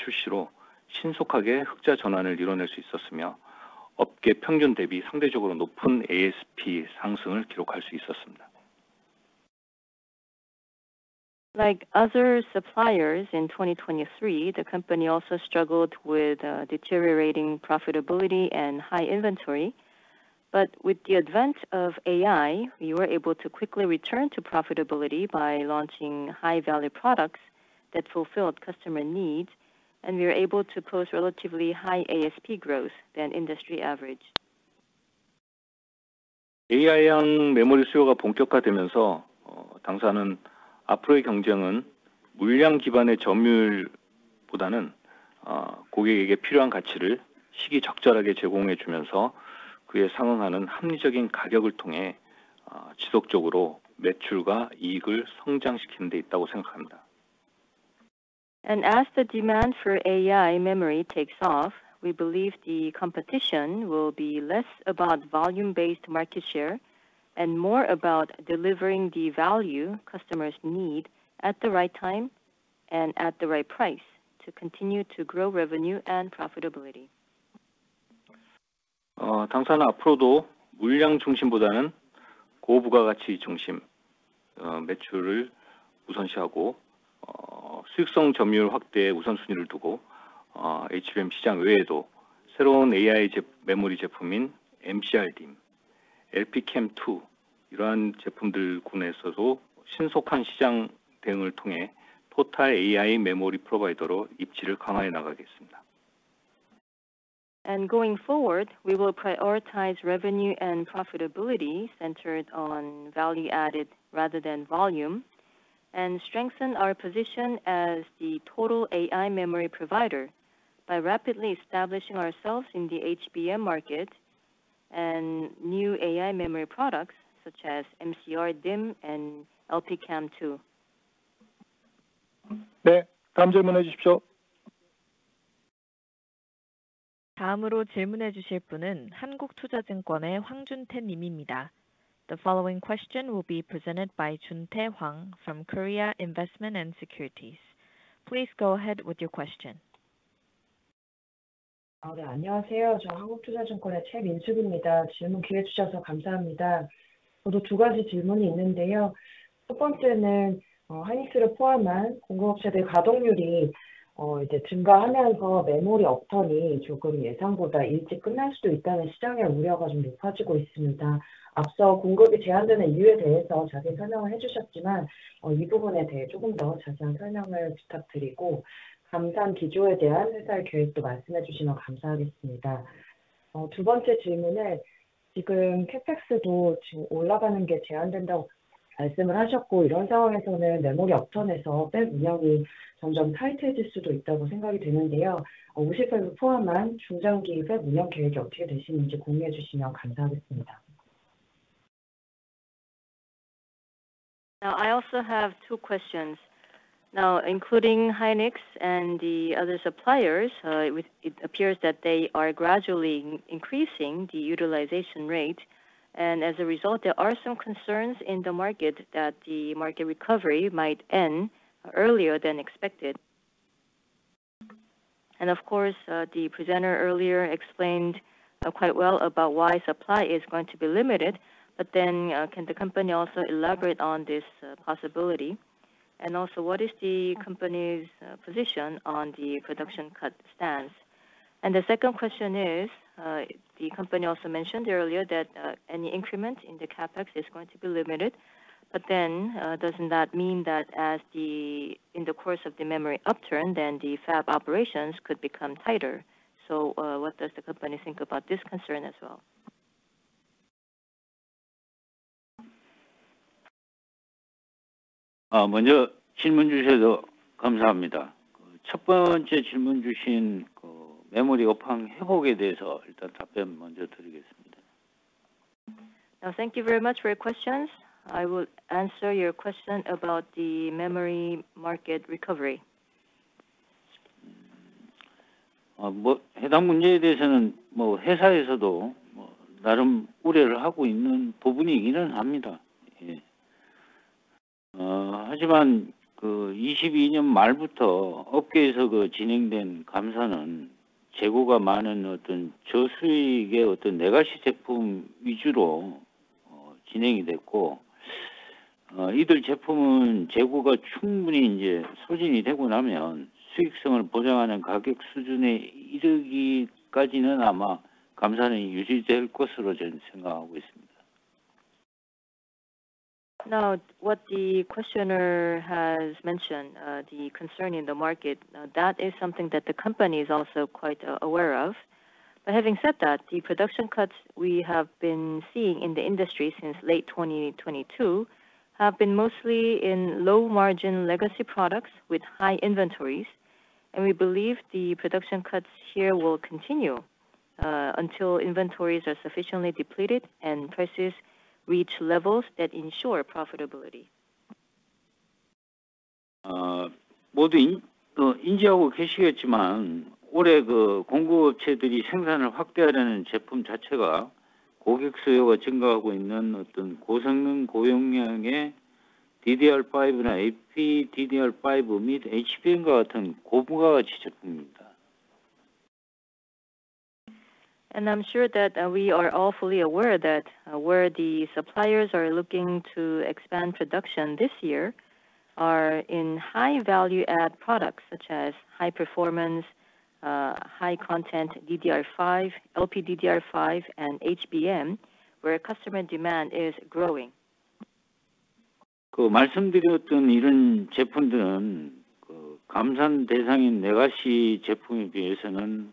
customer requirements, we were able to quickly achieve a turnaround to profitability, and record a relatively higher ASP increase compared to the industry average. Like other suppliers in 2023, the company also struggled with deteriorating profitability and high inventory. But with the advent of AI, we were able to quickly return to profitability by launching high value products that fulfilled customer needs, and we are able to post relatively high ASP growth than industry average. AI 향 메모리 수요가 본격화되면서, 당사는 앞으로의 경쟁은 물량 기반의 점유율보다는, 고객에게 필요한 가치를 시기적절하게 제공해 주면서, 그에 상응하는 합리적인 가격을 통해, 지속적으로 매출과 이익을 성장시키는 데 있다고 생각합니다. As the demand for AI memory takes off, we believe the competition will be less about volume based market share and more about delivering the value customers need at the right time and at the right price to continue to grow revenue and profitability. 당사는 앞으로도 물량 중심보다는 고부가가치 중심, 매출을 우선시하고, 수익성 점유율 확대에 우선순위를 두고, HBM 시장 외에도 새로운 AI 메모리 제품인 MCRDIMM, LPCAMM2 이러한 제품들 군에 있어서도 신속한 시장 대응을 통해 total AI 메모리 프로바이더로 입지를 강화해 나가겠습니다. Going forward, we will prioritize revenue and profitability centered on value added rather than volume, and strengthen our position as the total AI memory provider by rapidly establishing ourselves in the HBM market and new AI memory products such as MCRDIMM and LPCAMM2. 네, 다음 질문해 주십시오. 다음으로 질문해 주실 분은 한국투자증권의 황준태님입니다. The following question will be presented by Jun Tae Hwang from Korea Investment & Securities. Please go ahead with your question. 네, 안녕하세요. 저는 한국투자증권의 채민숙입니다. 질문 기회 주셔서 감사합니다. 저도 두 가지 질문이 있는데요. 첫 번째는 하이닉스를 포함한 공급업체들의 가동률이 이제 증가하면서 메모리 업턴이 조금 예상보다 일찍 끝날 수도 있다는 시장의 우려가 좀 높아지고 있습니다. 앞서 공급이 제한되는 이유에 대해서 자세히 설명을 해주셨지만, 이 부분에 대해 조금 더 자세한 설명을 부탁드리고, 감산 기조에 대한 회사의 계획도 말씀해 주시면 감사하겠습니다. 두 번째 질문은 지금 CapEx도 올라가는 게 제한된다고 말씀을 하셨고, 이런 상황에서는 메모리 업턴에서 팹 운영이 점점 타이트해질 수도 있다고 생각이 드는데요. 오십살을 포함한 중장기 팹 운영 계획이 어떻게 되시는지 공유해 주시면 감사하겠습니다. Now, I also have two questions. Now, including SK hynix and the other suppliers, it appears that they are gradually increasing the utilization rate, and as a result, there are some concerns in the market that the market recovery might end earlier than expected. And of course, the presenter earlier explained quite well about why supply is going to be limited. But then, can the company also elaborate on this possibility? And also, what is the company's position on the production cut stance? And the second question is, the company also mentioned earlier that any increment in the CapEx is going to be limited, but then, doesn't that mean that as the... in the course of the memory upturn, then the fab operations could become tighter? So, what does the company think about this concern as well? 아, 먼저 질문 주셔서 감사합니다. 첫 번째 질문 주신, 그 메모리 업황 회복에 대해서 일단 답변 먼저 드리겠습니다. Now, thank you very much for your questions. I will answer your question about the memory market recovery. 해당 문제에 대해서는 회사에서도 나름 우려를 하고 있는 부분이기는 합니다. 하지만 그 2022년 말부터 업계에서 진행된 감산은 재고가 많은 어떤 저수익의 어떤 비가시 제품 위주로 진행이 됐고, 이들 제품은 재고가 충분히 이제 소진이 되고 나면, 수익성을 보장하는 가격 수준에 이르기까지는 아마 감산이 유지될 것으로 저는 생각하고 있습니다. Now, what the questioner has mentioned, the concern in the market, that is something that the company is also quite aware of. But having said that, the production cuts we have been seeing in the industry since late 2022 have been mostly in low margin legacy products with high inventories, and we believe the production cuts here will continue until inventories are sufficiently depleted and prices reach levels that ensure profitability. 모두 인지하고 계시겠지만, 올해 그 공급업체들이 생산을 확대하려는 제품 자체가 고객 수요가 증가하고 있는 어떤 고성능, 고용량의 DDR5나 AP, DDR5 및 HBM과 같은 고부가가치 제품입니다. I'm sure that we are all fully aware that where the suppliers are looking to expand production this year are in high value add products such as high performance high content DDR5, LPDDR5, and HBM, where customer demand is growing. 그 말씀드렸던 이런 제품들은, 감산 대상인 레가시 제품에 비해서는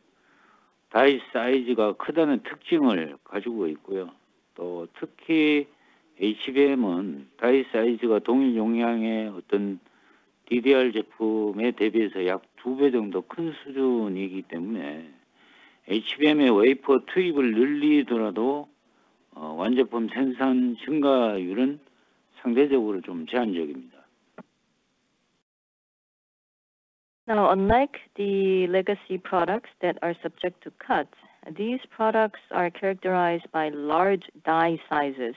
다이 사이즈가 크다는 특징을 가지고 있고요. 또 특히 HBM은 다이 사이즈가 동일 용량의 어떤 DDR 제품에 대비해서 약두배 정도 큰 수준이기 때문에, HBM의 웨이퍼 투입을 늘리더라도, 완제품 생산 증가율은 상대적으로 좀 제한적입니다. Now, unlike the legacy products that are subject to cuts, these products are characterized by large die sizes.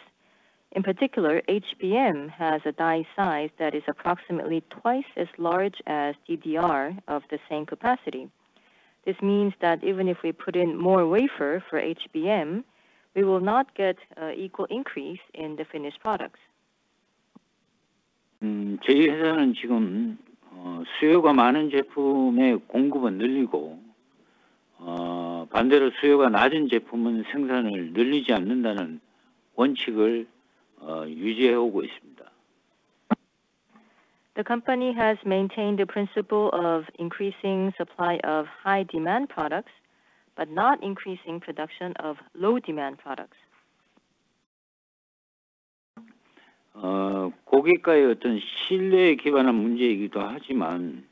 In particular, HBM has a die size that is approximately twice as large as DDR of the same capacity. This means that even if we put in more wafer for HBM, we will not get equal increase in the finished products. 저희 회사는 지금, 수요가 많은 제품의 공급은 늘리고, 반대로 수요가 낮은 제품은 생산을 늘리지 않는다는 원칙을, 유지해 오고 있습니다. The company has maintained a principle of increasing supply of high demand products, but not increasing production of low demand products. 고객과의 어떤 신뢰에 기반한 문제이기도 하지만,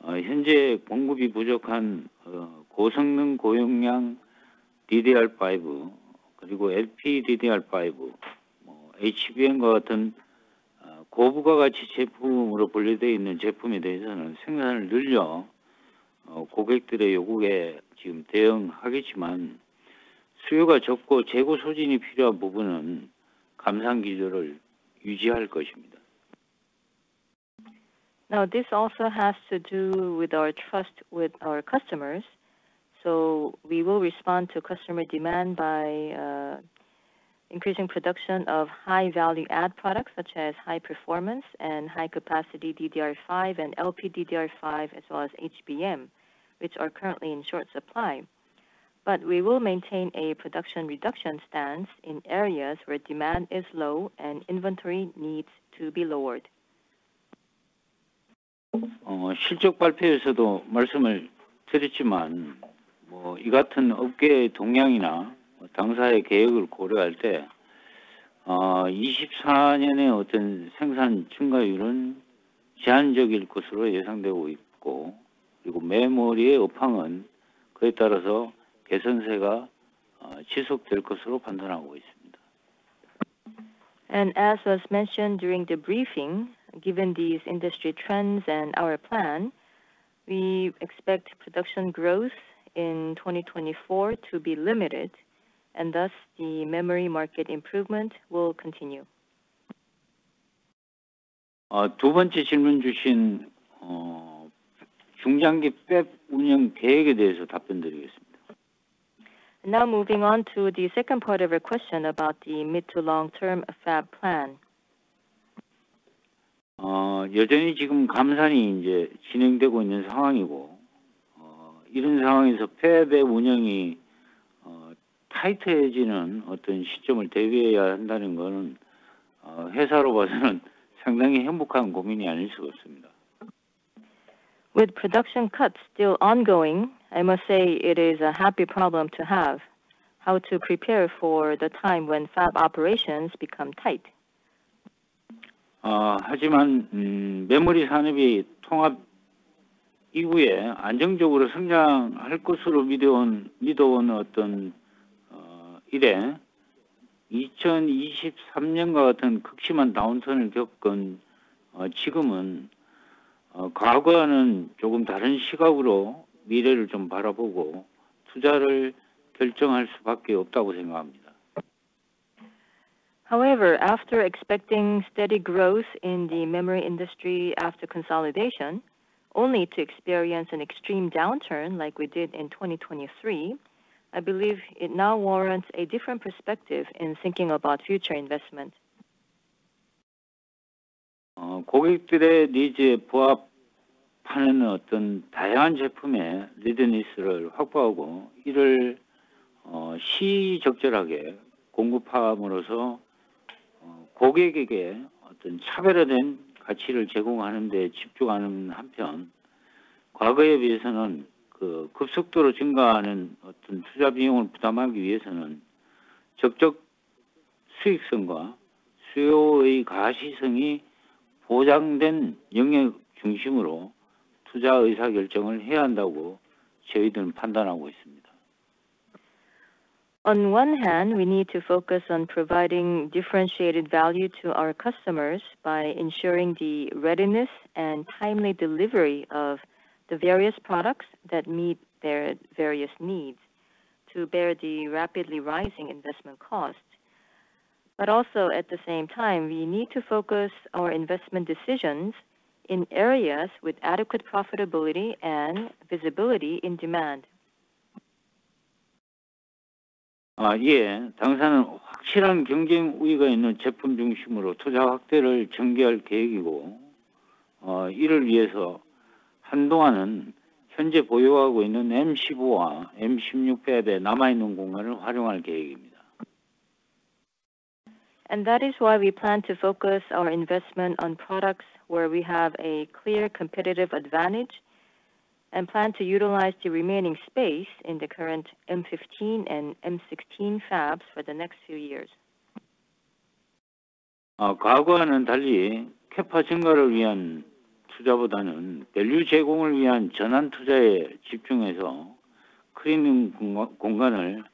현재 공급이 부족한 고성능, 고용량 DDR5, 그리고 LPDDR5, HBM과 같은 고부가가치 제품으로 분류되어 있는 제품에 대해서는 생산을 늘려 고객들의 요구에 지금 대응하겠지만, 수요가 적고 재고 소진이 필요한 부분은 감산 기조를 유지할 것입니다. Now, this also has to do with our trust with our customers, so we will respond to customer demand by increasing production of high value add products such as high performance and high capacity DDR5 and LPDDR5, as well as HBM, which are currently in short supply. But we will maintain a production reduction stance in areas where demand is low and inventory needs to be lowered. 실적 발표에서도 말씀을 드렸지만, 뭐, 이 같은 업계의 동향이나 당사의 계획을 고려할 때, 2024년에 어떤 생산 증가율은 제한적일 것으로 예상되고 있고, 그리고 메모리의 업황은 그에 따라서 개선세가 지속될 것으로 판단하고 있습니다. As was mentioned during the briefing, given these industry trends and our plan, we expect production growth in 2024 to be limited, and thus, the memory market improvement will continue. 두 번째 질문 주신, 중장기 팹 운영 계획에 대해서 답변드리겠습니다. Now, moving on to the second part of your question about the mid- to long-term fab plan. 여전히 지금 감산이 이제 진행되고 있는 상황이고, 이런 상황에서 팹의 운영이, 타이트해지는 어떤 시점을 대비해야 한다는 거는, 회사로 봐서는 상당히 행복한 고민이 아닐 수가 없습니다. With production cuts still ongoing, I must say it is a happy problem to have, how to prepare for the time when fab operations become tight. 하지만 메모리 산업이 통합 이후에 안정적으로 성장할 것으로 믿어온 어떤 이천이십삼년과 같은 극심한 다운턴을 겪은 지금은 과거와는 조금 다른 시각으로 미래를 좀 바라보고 투자를 결정할 수밖에 없다고 생각합니다. However, after expecting steady growth in the memory industry after consolidation, only to experience an extreme downturn like we did in 2023, I believe it now warrants a different perspective in thinking about future investment. 고객들의 니즈에 부합하는 어떤 다양한 제품의 리더니스를 확보하고, 이를 시의적절하게 공급함으로써 고객에게 어떤 차별화된 가치를 제공하는 데 집중하는 한편, 과거에 비해서는 그 급속도로 증가하는 어떤 투자 비용을 부담하기 위해서는 적적 수익성과 수요의 가시성이 보장된 영역 중심으로 투자 의사결정을 해야 한다고 저희들은 판단하고 있습니다. On one hand, we need to focus on providing differentiated value to our customers by ensuring the readiness and timely delivery of the various products that meet their various needs to bear the rapidly rising investment costs. But also, at the same time, we need to focus our investment decisions in areas with adequate profitability and visibility in demand. 예, 당사는 확실한 경쟁 우위가 있는 제품 중심으로 투자 확대를 전개할 계획이고, 이를 위해서 한동안은 현재 보유하고 있는 M15와 M16 팹에 남아있는 공간을 활용할 계획입니다. That is why we plan to focus our investment on products where we have a clear competitive advantage, and plan to utilize the remaining space in the current M15 and M16 fabs for the next few years. 과거와는 달리 Capa 증가를 위한 투자보다는 밸류 제공을 위한 전환 투자에 집중해서 클린룸 공간, 공간을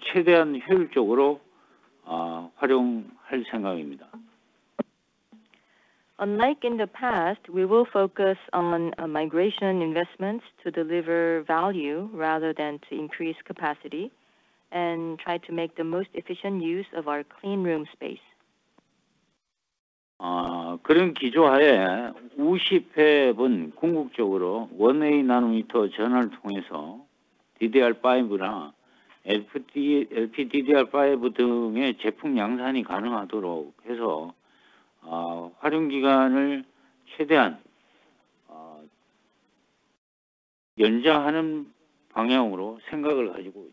최대한 효율적으로 활용할 생각입니다. Unlike in the past, we will focus on migration investments to deliver value rather than to increase capacity, and try to make the most efficient use of our clean room space. of products such as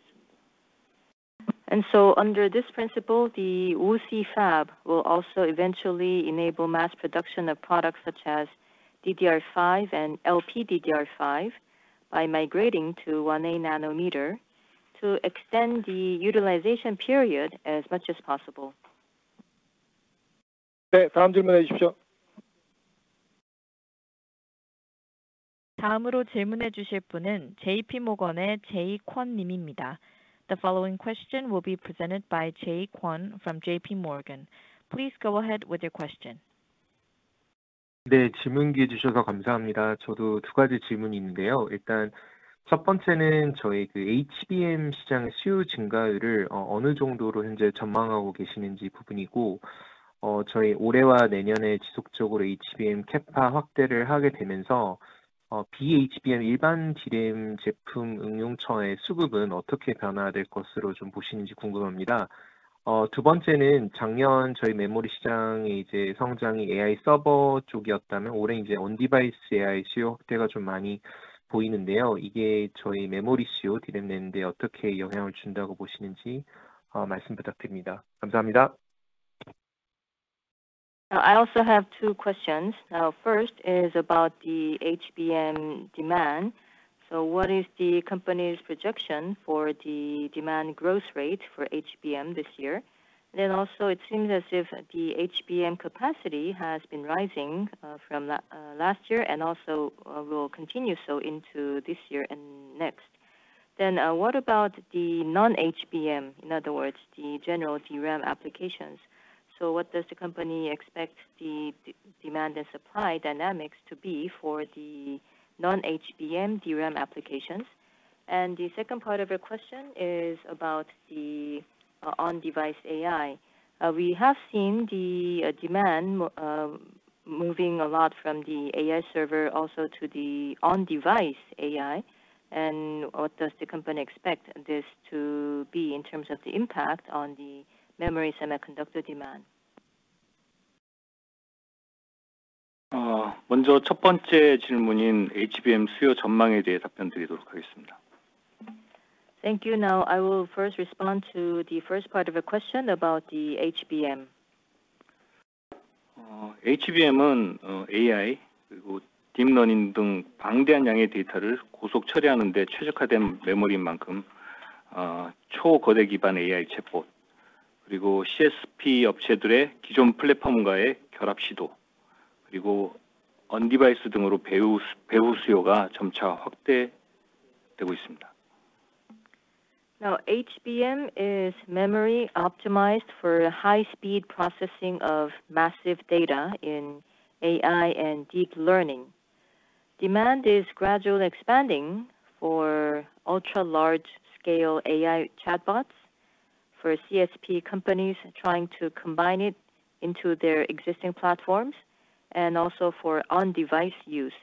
DDR5, FD, LPDDR5, etc., through the one-way nanometer conversion, and to maximize the utilization period, we are thinking in the direction of extending it. Under this principle, the Wuxi fab will also eventually enable mass production of products such as DDR5 and LPDDR5 by migrating to 1a nanometer to extend the utilization period as much as possible. 네, 다음 질문해 주십시오. 다음으로 질문해 주실 분은 JPMorgan의 제이 권 님입니다. The following question will be presented by Jay Kwon from JPMorgan. Please go ahead with your question. 네, 질문 기회 주셔서 감사합니다. 저도 두 가지 질문이 있는데요. 일단 첫 번째는 저희 그 HBM 시장의 수요 증가율을, 어느 정도로 현재 전망하고 계시는지 부분이고, 저희 올해와 내년에 지속적으로 HBM Capa 확대를 하게 되면서, non-HBM 일반 DRAM 제품 응용처의 수급은 어떻게 변화될 것으로 좀 보시는지 궁금합니다. 두 번째는 작년 저희 메모리 시장이 이제 성장이 AI 서버 쪽이었다면, 올해 이제 온디바이스 AI 수요 확대가 좀 많이 보이는데요. 이게 저희 메모리 수요 DRAM에 어떻게 영향을 준다고 보시는지, 말씀 부탁드립니다. 감사합니다. I also have two questions. First is about the HBM demand. So what is the company's projection for the demand growth rate for HBM this year? Then also, it seems as if the HBM capacity has been rising from last year, and also will continue so into this year and next. Then, what about the non-HBM, in other words, the general DRAM applications? So what does the company expect the demand and supply dynamics to be for the non-HBM DRAM applications? And the second part of your question is about the on-device AI. We have seen the demand moving a lot from the AI server also to the on-device AI. And what does the company expect this to be in terms of the impact on the memory semiconductor demand? 먼저 첫 번째 질문인 HBM 수요 전망에 대해 답변드리도록 하겠습니다. Thank you. Now, I will first respond to the first part of your question about the HBM. HBM은 AI 그리고 딥러닝 등 방대한 양의 데이터를 고속 처리하는 데 최적화된 메모리인 만큼, 초거대 기반 AI 챗봇, 그리고 CSP 업체들의 기존 플랫폼과의 결합 시도, 그리고 온디바이스 등으로 배후 수요가 점차 확대되고 있습니다. Now, HBM is memory optimized for high-speed processing of massive data in AI and deep learning. Demand is gradually expanding for ultra-large scale AI chatbots for CSP companies trying to combine it into their existing platforms, and also for on-device use.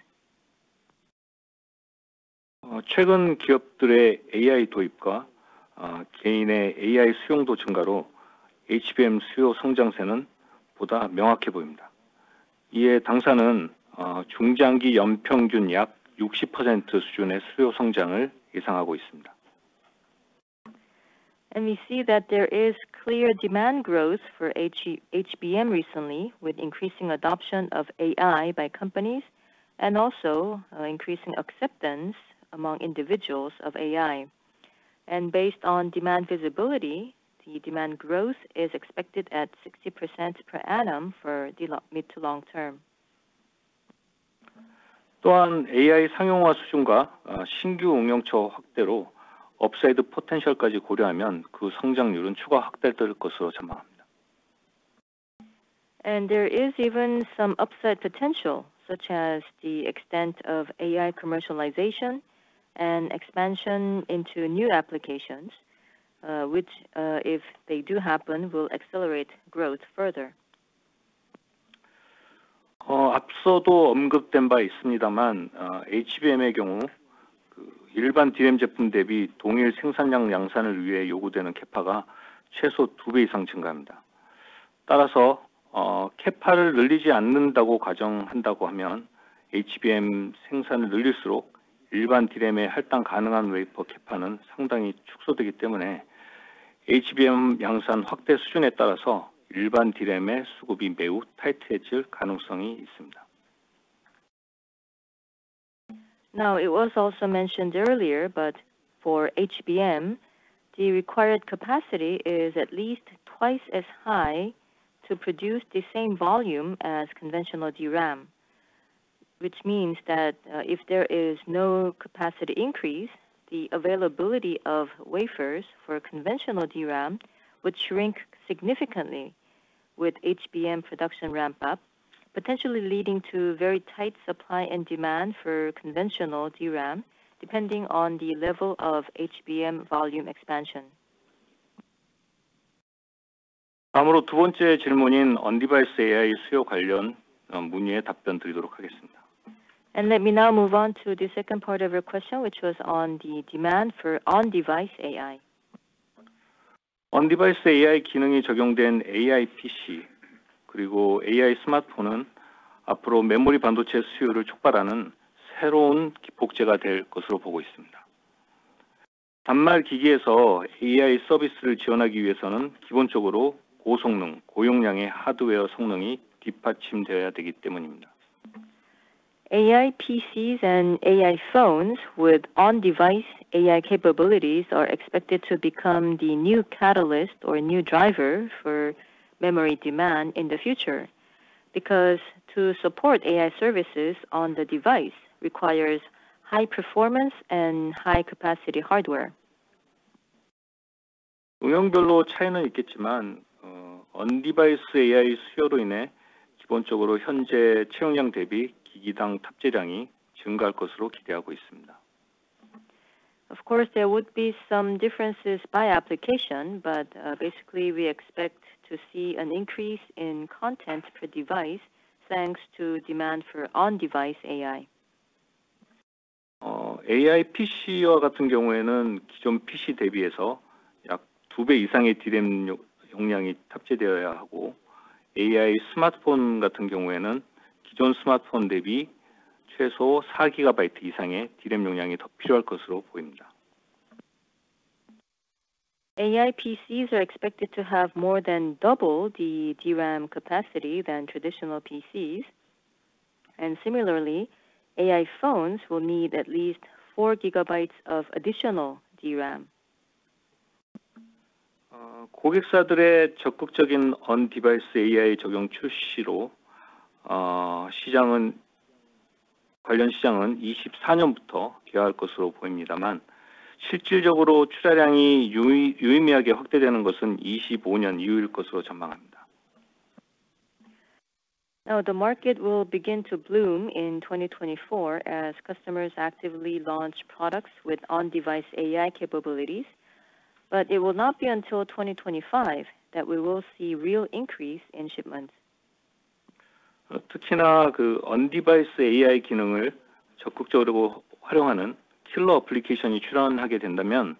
최근 기업들의 AI 도입과, 개인의 AI 수용도 증가로 HBM 수요 성장세는 보다 명확해 보입니다. 이에 당사는, 중장기 연평균 약 60% 수준의 수요 성장을 예상하고 있습니다. We see that there is clear demand growth for HE, HBM recently, with increasing adoption of AI by companies and also increasing acceptance among individuals of AI. Based on demand visibility, the demand growth is expected at 60% per annum for the mid- to long-term. 또한, AI 상용화 수준과, 신규 응용처 확대로 업사이드 포텐셜까지 고려하면 그 성장률은 추가 확대될 것으로 전망합니다. There is even some upside potential, such as the extent of AI commercialization and expansion into new applications, which, if they do happen, will accelerate growth further. 앞서도 언급된 바 있습니다만, HBM의 경우, 일반 DRAM 제품 대비 동일 생산량 양산을 위해 요구되는 Capa가 최소 두배 이상 증가합니다. 따라서, Capa를 늘리지 않는다고 가정한다고 하면, HBM 생산을 늘릴수록 일반 DRAM의 할당 가능한 웨이퍼 Capa는 상당히 축소되기 때문에, HBM 양산 확대 수준에 따라서 일반 DRAM의 수급이 매우 타이트해질 가능성이 있습니다. Now, it was also mentioned earlier, but for HBM, the required capacity is at least twice as high to produce the same volume as conventional DRAM. Which means that, if there is no capacity increase, the availability of wafers for conventional DRAM would shrink significantly with HBM production ramp up, potentially leading to very tight supply and demand for conventional DRAM, depending on the level of HBM volume expansion. 다음으로 두 번째 질문인 온디바이스 AI 수요 관련, 문의에 답변드리도록 하겠습니다. Let me now move on to the second part of your question, which was on the demand for on-device AI. 온디바이스 AI 기능이 적용된 AI PC, 그리고 AI 스마트폰은 앞으로 메모리 반도체 수요를 촉발하는 새로운 기폭제가 될 것으로 보고 있습니다. 단말 기기에서 AI 서비스를 지원하기 위해서는 기본적으로 고성능, 고용량의 하드웨어 성능이 뒷받침되어야 되기 때문입니다. AI PCs and AI phones with on-device AI capabilities are expected to become the new catalyst or new driver for memory demand in the future. Because to support AI services on the device requires high performance and high capacity hardware. 응용별로 차이는 있겠지만, 온디바이스 AI 수요로 인해 기본적으로 현재 채용량 대비 기기당 탑재량이 증가할 것으로 기대하고 있습니다. Of course, there would be some differences by application, but, basically, we expect to see an increase in content per device, thanks to demand for on-device AI. existing PCs, approximately two times or more DRAM capacity needs to be mounted, and in the case of AI smartphones, compared to existing smartphones, at least 4 GB or more of DRAM capacity will be needed additionally. AI PCs are expected to have more than double the DRAM capacity than traditional PCs, and similarly, AI phones will need at least 4 GB of additional DRAM. customer companies' active on-device AI application launches, the related market is expected to blossom from 2024, but substantially, shipment volumes are expected to expand significantly from 2025 onwards. Now, the market will begin to bloom in 2024 as customers actively launch products with on-device AI capabilities. But it will not be until 2025 that we will see real increase in shipments. 특히나 그 온디바이스 AI 기능을 적극적으로 활용하는 킬러 어플리케이션이 출연하게 된다면,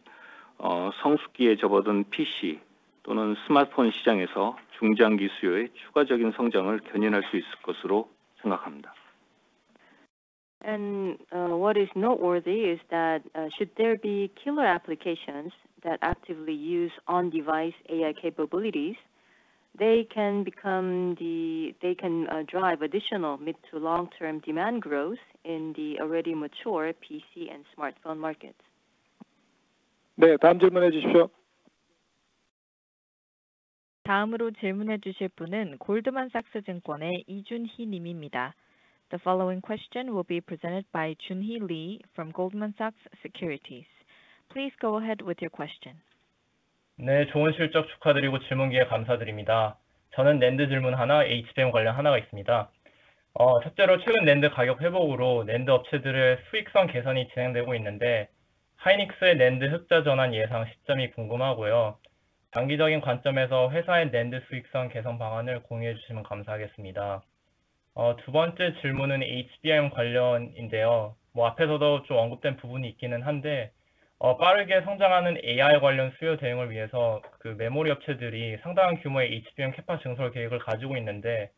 성숙기에 접어든 PC 또는 스마트폰 시장에서 중장기 수요의 추가적인 성장을 견인할 수 있을 것으로 생각합니다. What is noteworthy is that, should there be killer applications that actively use on-device AI capabilities, they can drive additional mid- to long-term demand growth in the already mature PC and smartphone markets. 네, 다음 질문해 주십시오. 다음으로 질문해 주실 분은 골드만 삭스 증권의 이준희 님입니다. The following question will be presented by Giuni Lee from Goldman Sachs. Please go ahead with your question. 네, 좋은 실적 축하드리고 질문 기회 감사드립니다. 저는 낸드 질문 하나, HBM 관련 하나가 있습니다. 첫째로, 최근 낸드 가격 회복으로 낸드 업체들의 수익성 개선이 진행되고 있는데, 하이닉스의 낸드 흑자 전환 예상 시점이 궁금하고요. 장기적인 관점에서 회사의 낸드 수익성 개선 방안을 공유해 주시면 감사하겠습니다. 두 번째 질문은 HBM 관련인데요. 뭐, 앞에서도 좀 언급된 부분이 있기는 한데, 빠르게 성장하는 AI 관련 수요 대응을 위해서 그 메모리 업체들이 상당한 규모의 HBM Capa 증설 계획을 가지고 있는데,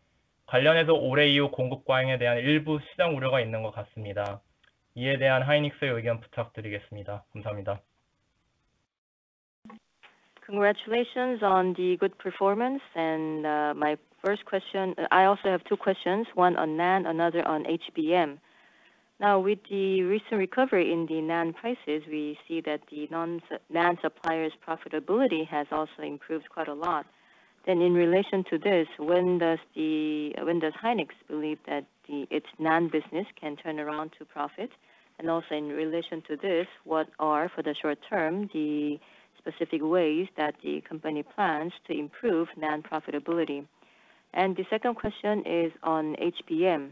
관련해서 올해 이후 공급 과잉에 대한 일부 시장 우려가 있는 것 같습니다. 이에 대한 하이닉스의 의견 부탁드리겠습니다. 감사합니다. Congratulations on the good performance! My first question... I also have two questions, one on NAND, another on HBM. Now, with the recent recovery in the NAND prices, we see that the NAND suppliers' profitability has also improved quite a lot. Then, in relation to this, when does SK Hynix believe that its NAND business can turn around to profit? And also in relation to this, what are, for the short term, the specific ways that the company plans to improve NAND profitability? And the second question is on HBM.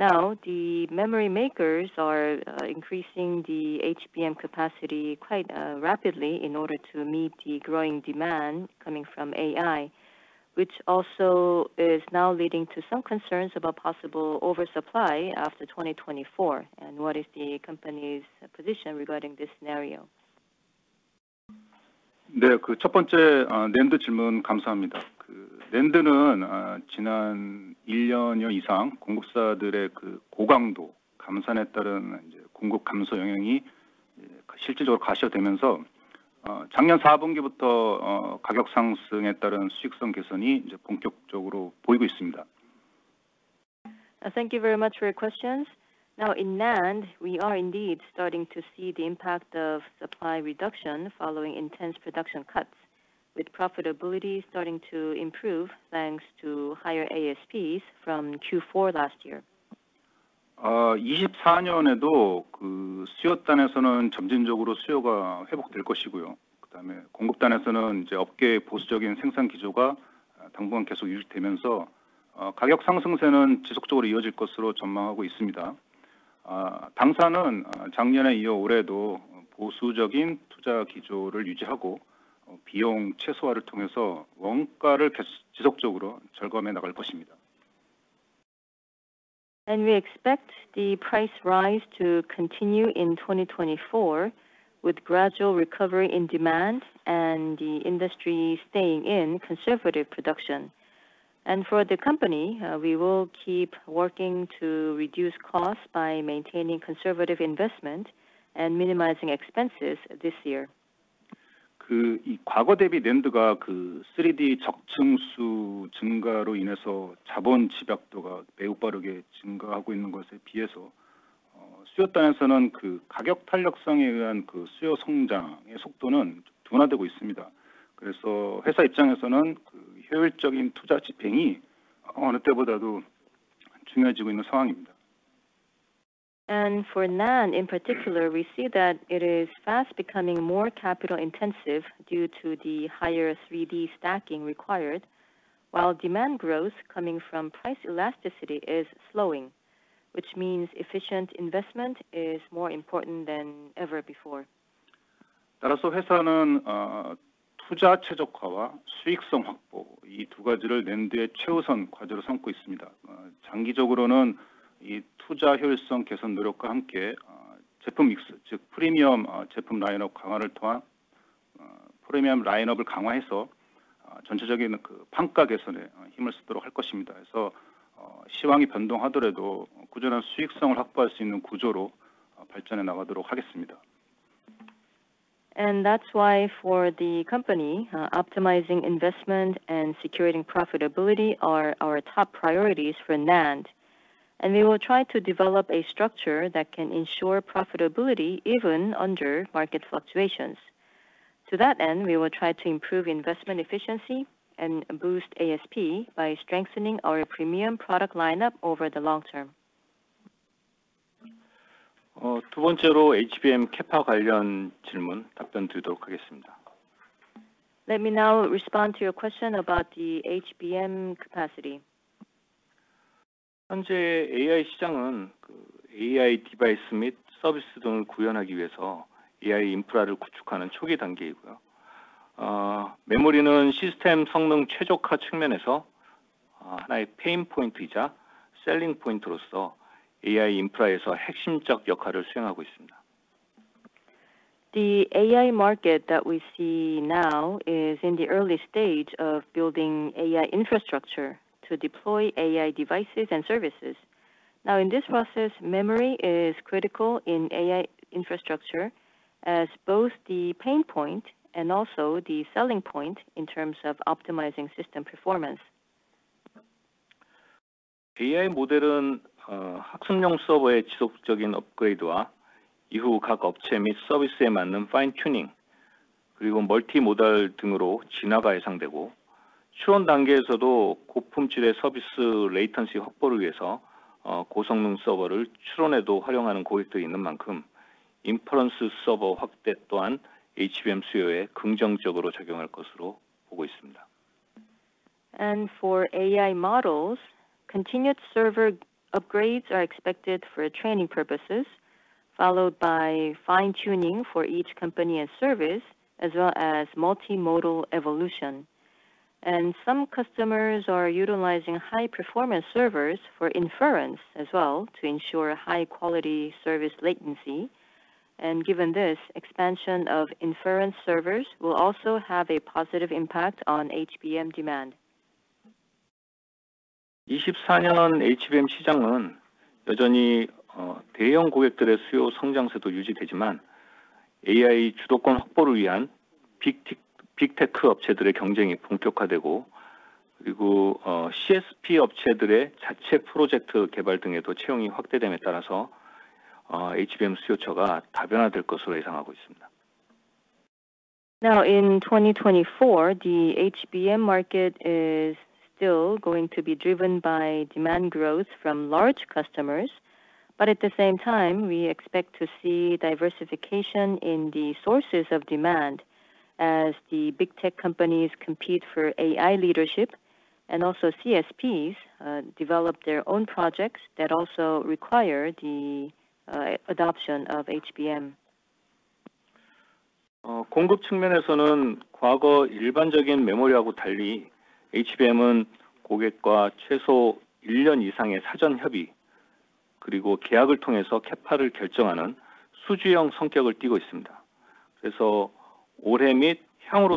Now, the memory makers are increasing the HBM capacity quite rapidly in order to meet the growing demand coming from AI, which also is now leading to some concerns about possible oversupply after 2024. And what is the company's position regarding this scenario? 네, 그첫 번째, NAND 질문 감사합니다. 그 NAND는, 지난 일 년여 이상 공급사들의 그 고강도 감산에 따른 이제 공급 감소 영향이 이제 실질적으로 가시화되면서, 작년 사분기부터, 가격 상승에 따른 수익성 개선이 이제 본격적으로 보이고 있습니다. Thank you very much for your questions. Now, in NAND, we are indeed starting to see the impact of supply reduction following intense production cuts, with profitability starting to improve, thanks to higher ASPs from Q4 last year. 2024년에도 그 수요단에서는 점진적으로 수요가 회복될 것이고요. 그다음에 공급단에서는 이제 업계의 보수적인 생산 기조가, 당분간 계속 유지되면서, 가격 상승세는 지속적으로 이어질 것으로 전망하고 있습니다. 당사는 작년에 이어 올해도 보수적인 투자 기조를 유지하고, 비용 최소화를 통해서 원가를 계속 지속적으로 절감해 나갈 것입니다. We expect the price rise to continue in 2024, with gradual recovery in demand and the industry staying in conservative production. For the company, we will keep working to reduce costs by maintaining conservative investment and minimizing expenses this year. 이 과거 대비 NAND가 그 3D 적층수 증가로 인해서 자본 집약도가 매우 빠르게 증가하고 있는 것에 비해서, 수요단에서는 그 가격 탄력성에 의한 그 수요 성장의 속도는 둔화되고 있습니다. 그래서 회사 입장에서는 그 효율적인 투자 집행이 어느 때보다도 중요해지고 있는 상황입니다. For NAND, in particular, we see that it is fast becoming more capital intensive due to the higher 3D stacking required. While demand growth coming from price elasticity is slowing, which means efficient investment is more important than ever before. 따라서 회사는 투자 최적화와 수익성 확보, 이두 가지를 NAND의 최우선 과제로 삼고 있습니다. 장기적으로는 이 투자 효율성 개선 노력과 함께, 제품 믹스, 즉 프리미엄 제품 라인업 강화를 통한, 프리미엄 라인업을 강화해서, 전체적인 그 판가 개선에 힘을 쓰도록 할 것입니다. 그래서, 시황이 변동하더라도 꾸준한 수익성을 확보할 수 있는 구조로, 발전해 나가도록 하겠습니다. That's why for the company, optimizing investment and securing profitability are our top priorities for NAND. We will try to develop a structure that can ensure profitability even under market fluctuations. To that end, we will try to improve investment efficiency and boost ASP by strengthening our premium product lineup over the long term. 두 번째로 HBM Capa 관련 질문 답변드리도록 하겠습니다. Let me now respond to your question about the HBM capacity. 현재 AI 시장은 그 AI 디바이스 및 서비스 등을 구현하기 위해서 AI 인프라를 구축하는 초기 단계이고요. 메모리는 시스템 성능 최적화 측면에서, 하나의 pain point이자 selling point로서 AI 인프라에서 핵심적 역할을 수행하고 있습니다. The AI market that we see now is in the early stage of building AI infrastructure to deploy AI devices and services. Now, in this process, memory is critical in AI infrastructure as both the pain point and also the selling point in terms of optimizing system performance. AI 모델은, 학습용 서버의 지속적인 업그레이드와 이후 각 업체 및 서비스에 맞는 fine- tuning, 그리고 multimodal 등으로 진화가 예상되고, 출원 단계에서도 고품질의 서비스 latency 확보를 위해서, 고성능 서버를 출원에도 활용하는 고객도 있는 만큼, inference 서버 확대 또한 HBM 수요에 긍정적으로 작용할 것으로 보고 있습니다. For AI models, continued server upgrades are expected for training purposes, followed by fine-tuning for each company and service, as well as multimodal evolution. Some customers are utilizing high-performance servers for inference as well, to ensure high-quality service latency. Given this, expansion of inference servers will also have a positive impact on HBM demand. Now, in 2024, the HBM market is still going to be driven by demand growth from large customers, but at the same time, we expect to see diversification in the sources of demand as the big tech companies compete for AI leadership, and also CSPs develop their own projects that also require the adoption of HBM. Now, on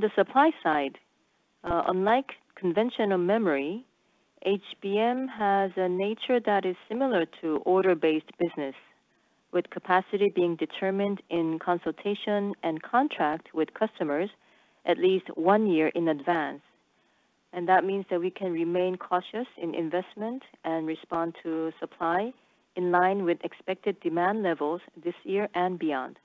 the supply side, unlike conventional memory, HBM has a nature that is similar to order-based business, with capacity being determined in consultation and contract with customers at least one year in advance. That means that we can remain cautious in investment and respond to supply in line with expected demand levels this year and beyond.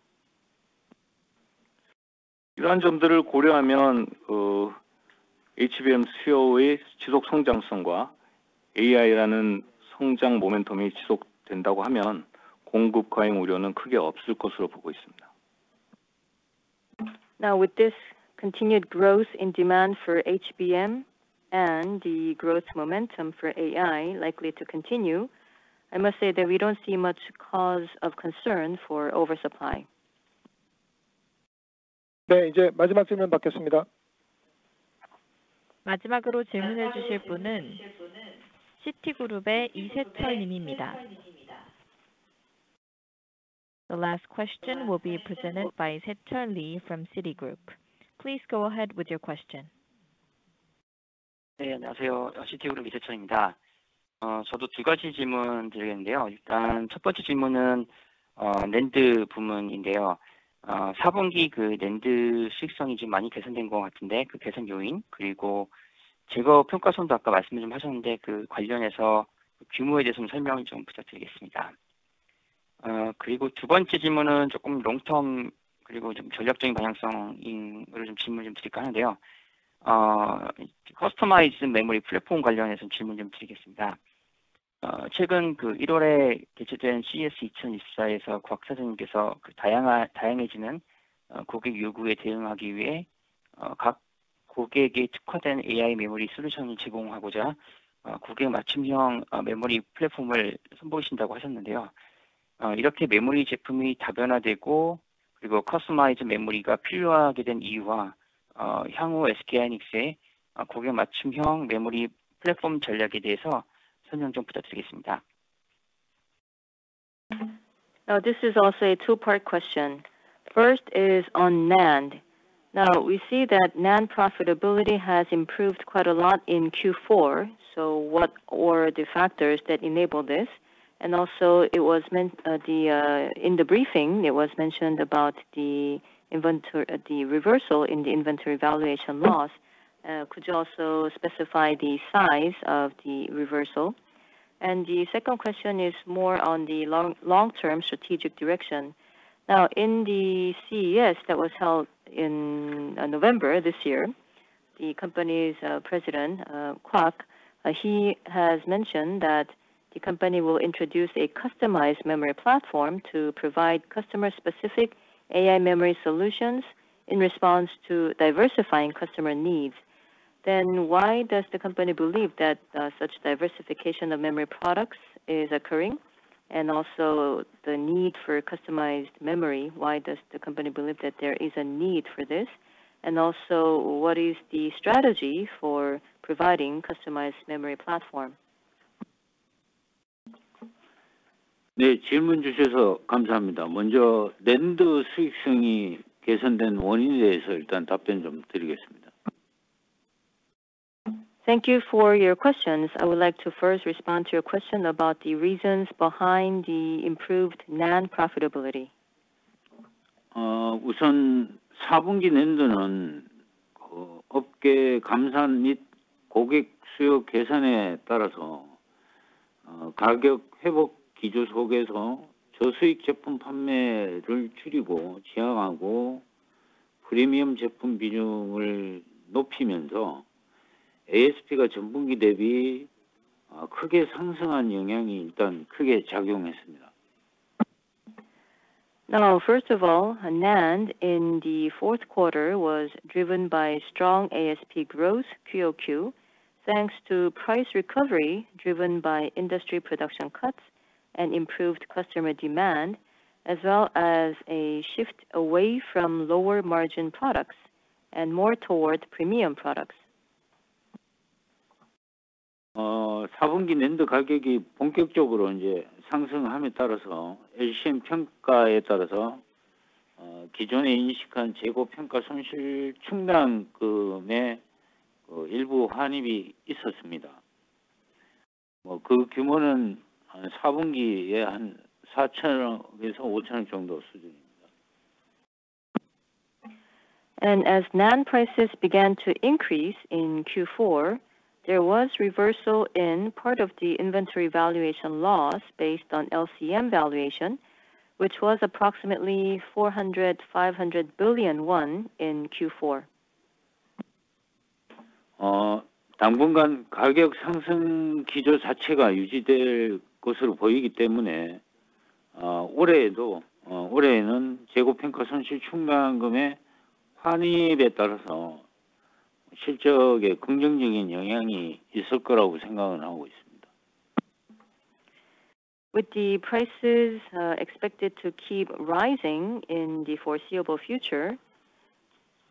Now, with this continued growth in demand for HBM and the growth momentum for AI likely to continue, I must say that we don't see much cause of concern for oversupply. The last question will be presented by Sei Cheol Lee from Citigroup. Please go ahead with your question. This is also a two-part question. First is on NAND. Now, we see that NAND profitability has improved quite a lot in Q4, so what were the factors that enabled this? And also, in the briefing, it was mentioned about the inventory, the reversal in the inventory valuation loss. Could you also specify the size of the reversal? And the second question is more on the long-term strategic direction. Now, in the CES, that was held in November this year, the company's president, Kwak, he has mentioned that the company will introduce a customized memory platform to provide customer-specific AI memory solutions in response to diversifying customer needs. Then why does the company believe that such diversification of memory products is occurring? And also, the need for customized memory, why does the company believe that there is a need for this? And also, what is the strategy for providing customized memory platform? Thank you for your questions. I would like to first respond to your question about the reasons behind the improved NAND profitability. Uh, Now, first of all, NAND in the fourth quarter was driven by strong ASP growth QOQ, thanks to price recovery driven by industry production cuts and improved customer demand, as well as a shift away from lower margin products and more towards premium products. 4분기 NAND 가격이 본격적으로 이제 상승함에 따라서 LCM 평가에 따라서, 기존에 인식한 재고 평가 손실 충당금에, 일부 환입이 있었습니다. 그 규모는 4분기에 400 billion-500 billion 정도 수준입니다. As NAND prices began to increase in Q4, there was reversal in part of the inventory valuation loss based on LCM valuation, which was approximately 400 billion-500 billion won in Q4. 당분간 가격 상승 기조 자체가 유지될 것으로 보이기 때문에, 올해에도, 올해에는 재고 평가 손실 충당금의 환입에 따라서 실적에 긍정적인 영향이 있을 거라고 생각은 하고 있습니다. With the prices expected to keep rising in the foreseeable future,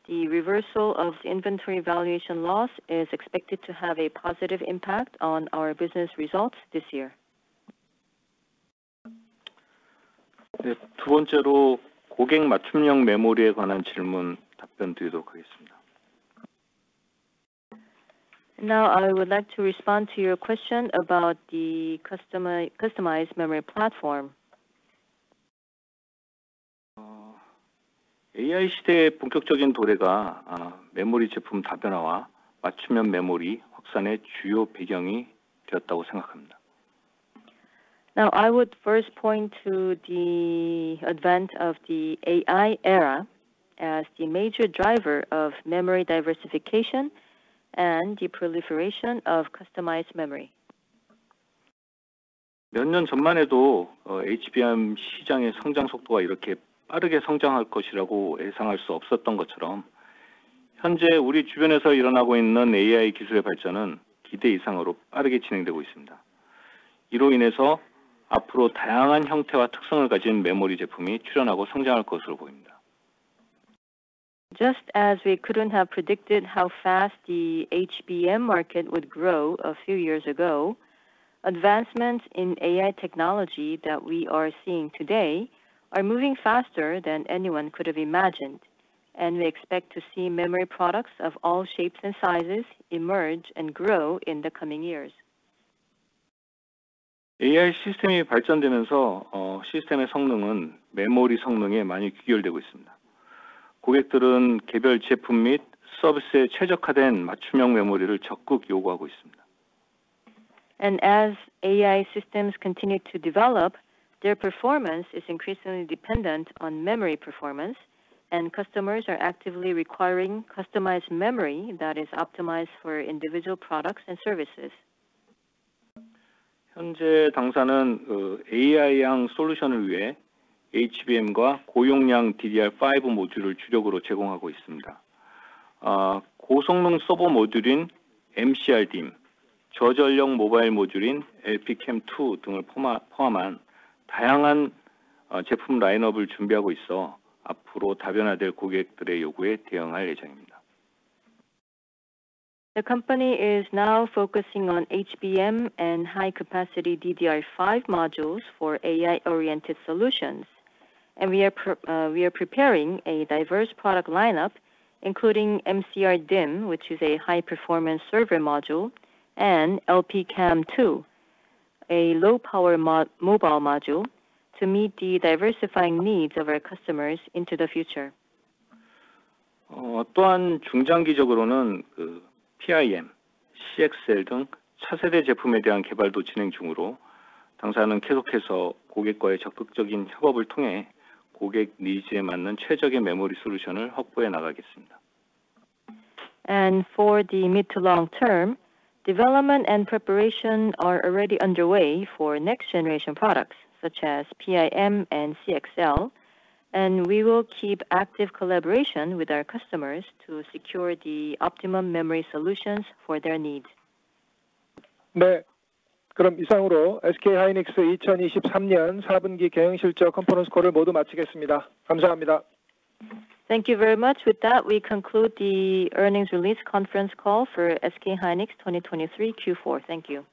the reversal of the inventory valuation loss is expected to have a positive impact on our business results this year. 네, 두 번째로 고객 맞춤형 메모리에 관한 질문 답변드리도록 하겠습니다. Now, I would like to respond to your question about the customized memory platform. AI 시대의 본격적인 도래가, 메모리 제품 다변화와 맞춤형 메모리 확산의 주요 배경이 되었다고 생각합니다. Now, I would first point to the advent of the AI era as the major driver of memory diversification and the proliferation of customized memory. 몇년 전만 해도, HBM 시장의 성장 속도가 이렇게 빠르게 성장할 것이라고 예상할 수 없었던 것처럼, 현재 우리 주변에서 일어나고 있는 AI 기술의 발전은 기대 이상으로 빠르게 진행되고 있습니다. 이로 인해서 앞으로 다양한 형태와 특성을 가진 메모리 제품이 출현하고 성장할 것으로 보입니다. Just as we couldn't have predicted how fast the HBM market would grow a few years ago, advancements in AI technology that we are seeing today are moving faster than anyone could have imagined, and we expect to see memory products of all shapes and sizes emerge and grow in the coming years. AI 시스템이 발전되면서, 시스템의 성능은 메모리 성능에 많이 귀결되고 있습니다. 고객들은 개별 제품 및 서비스에 최적화된 맞춤형 메모리를 적극 요구하고 있습니다. As AI systems continue to develop, their performance is increasingly dependent on memory performance, and customers are actively requiring customized memory that is optimized for individual products and services. 현재 당사는 AI 양 솔루션을 위해 HBM과 고용량 DDR5 모듈을 주력으로 제공하고 있습니다. 고성능 서버 모듈인 MCRDIMM, 저전력 모바일 모듈인 LPCAMM2 등을 포함한 다양한 제품 라인업을 준비하고 있어, 앞으로 다변화될 고객들의 요구에 대응할 예정입니다. The company is now focusing on HBM and high-capacity DDR5 modules for AI-oriented solutions. We are preparing a diverse product lineup, including MCRDIMM, which is a high-performance server module, and LPCAMM2, a low-power mobile module, to meet the diversifying needs of our customers into the future. 또한 중장기적으로는, PIM, CXL 등 차세대 제품에 대한 개발도 진행 중으로, 당사는 계속해서 고객과의 적극적인 협업을 통해 고객 니즈에 맞는 최적의 메모리 솔루션을 확보해 나가겠습니다. For the mid to long term, development and preparation are already underway for next-generation products, such as PIM and CXL, and we will keep active collaboration with our customers to secure the optimum memory solutions for their needs. 네, 그럼 이상으로 SK하이닉스 2023년 사분기 개요 실적 컨퍼런스 콜을 모두 마치겠습니다. 감사합니다. Thank you very much. With that, we conclude the earnings release conference call for SK Hynix 2023 Q4. Thank you.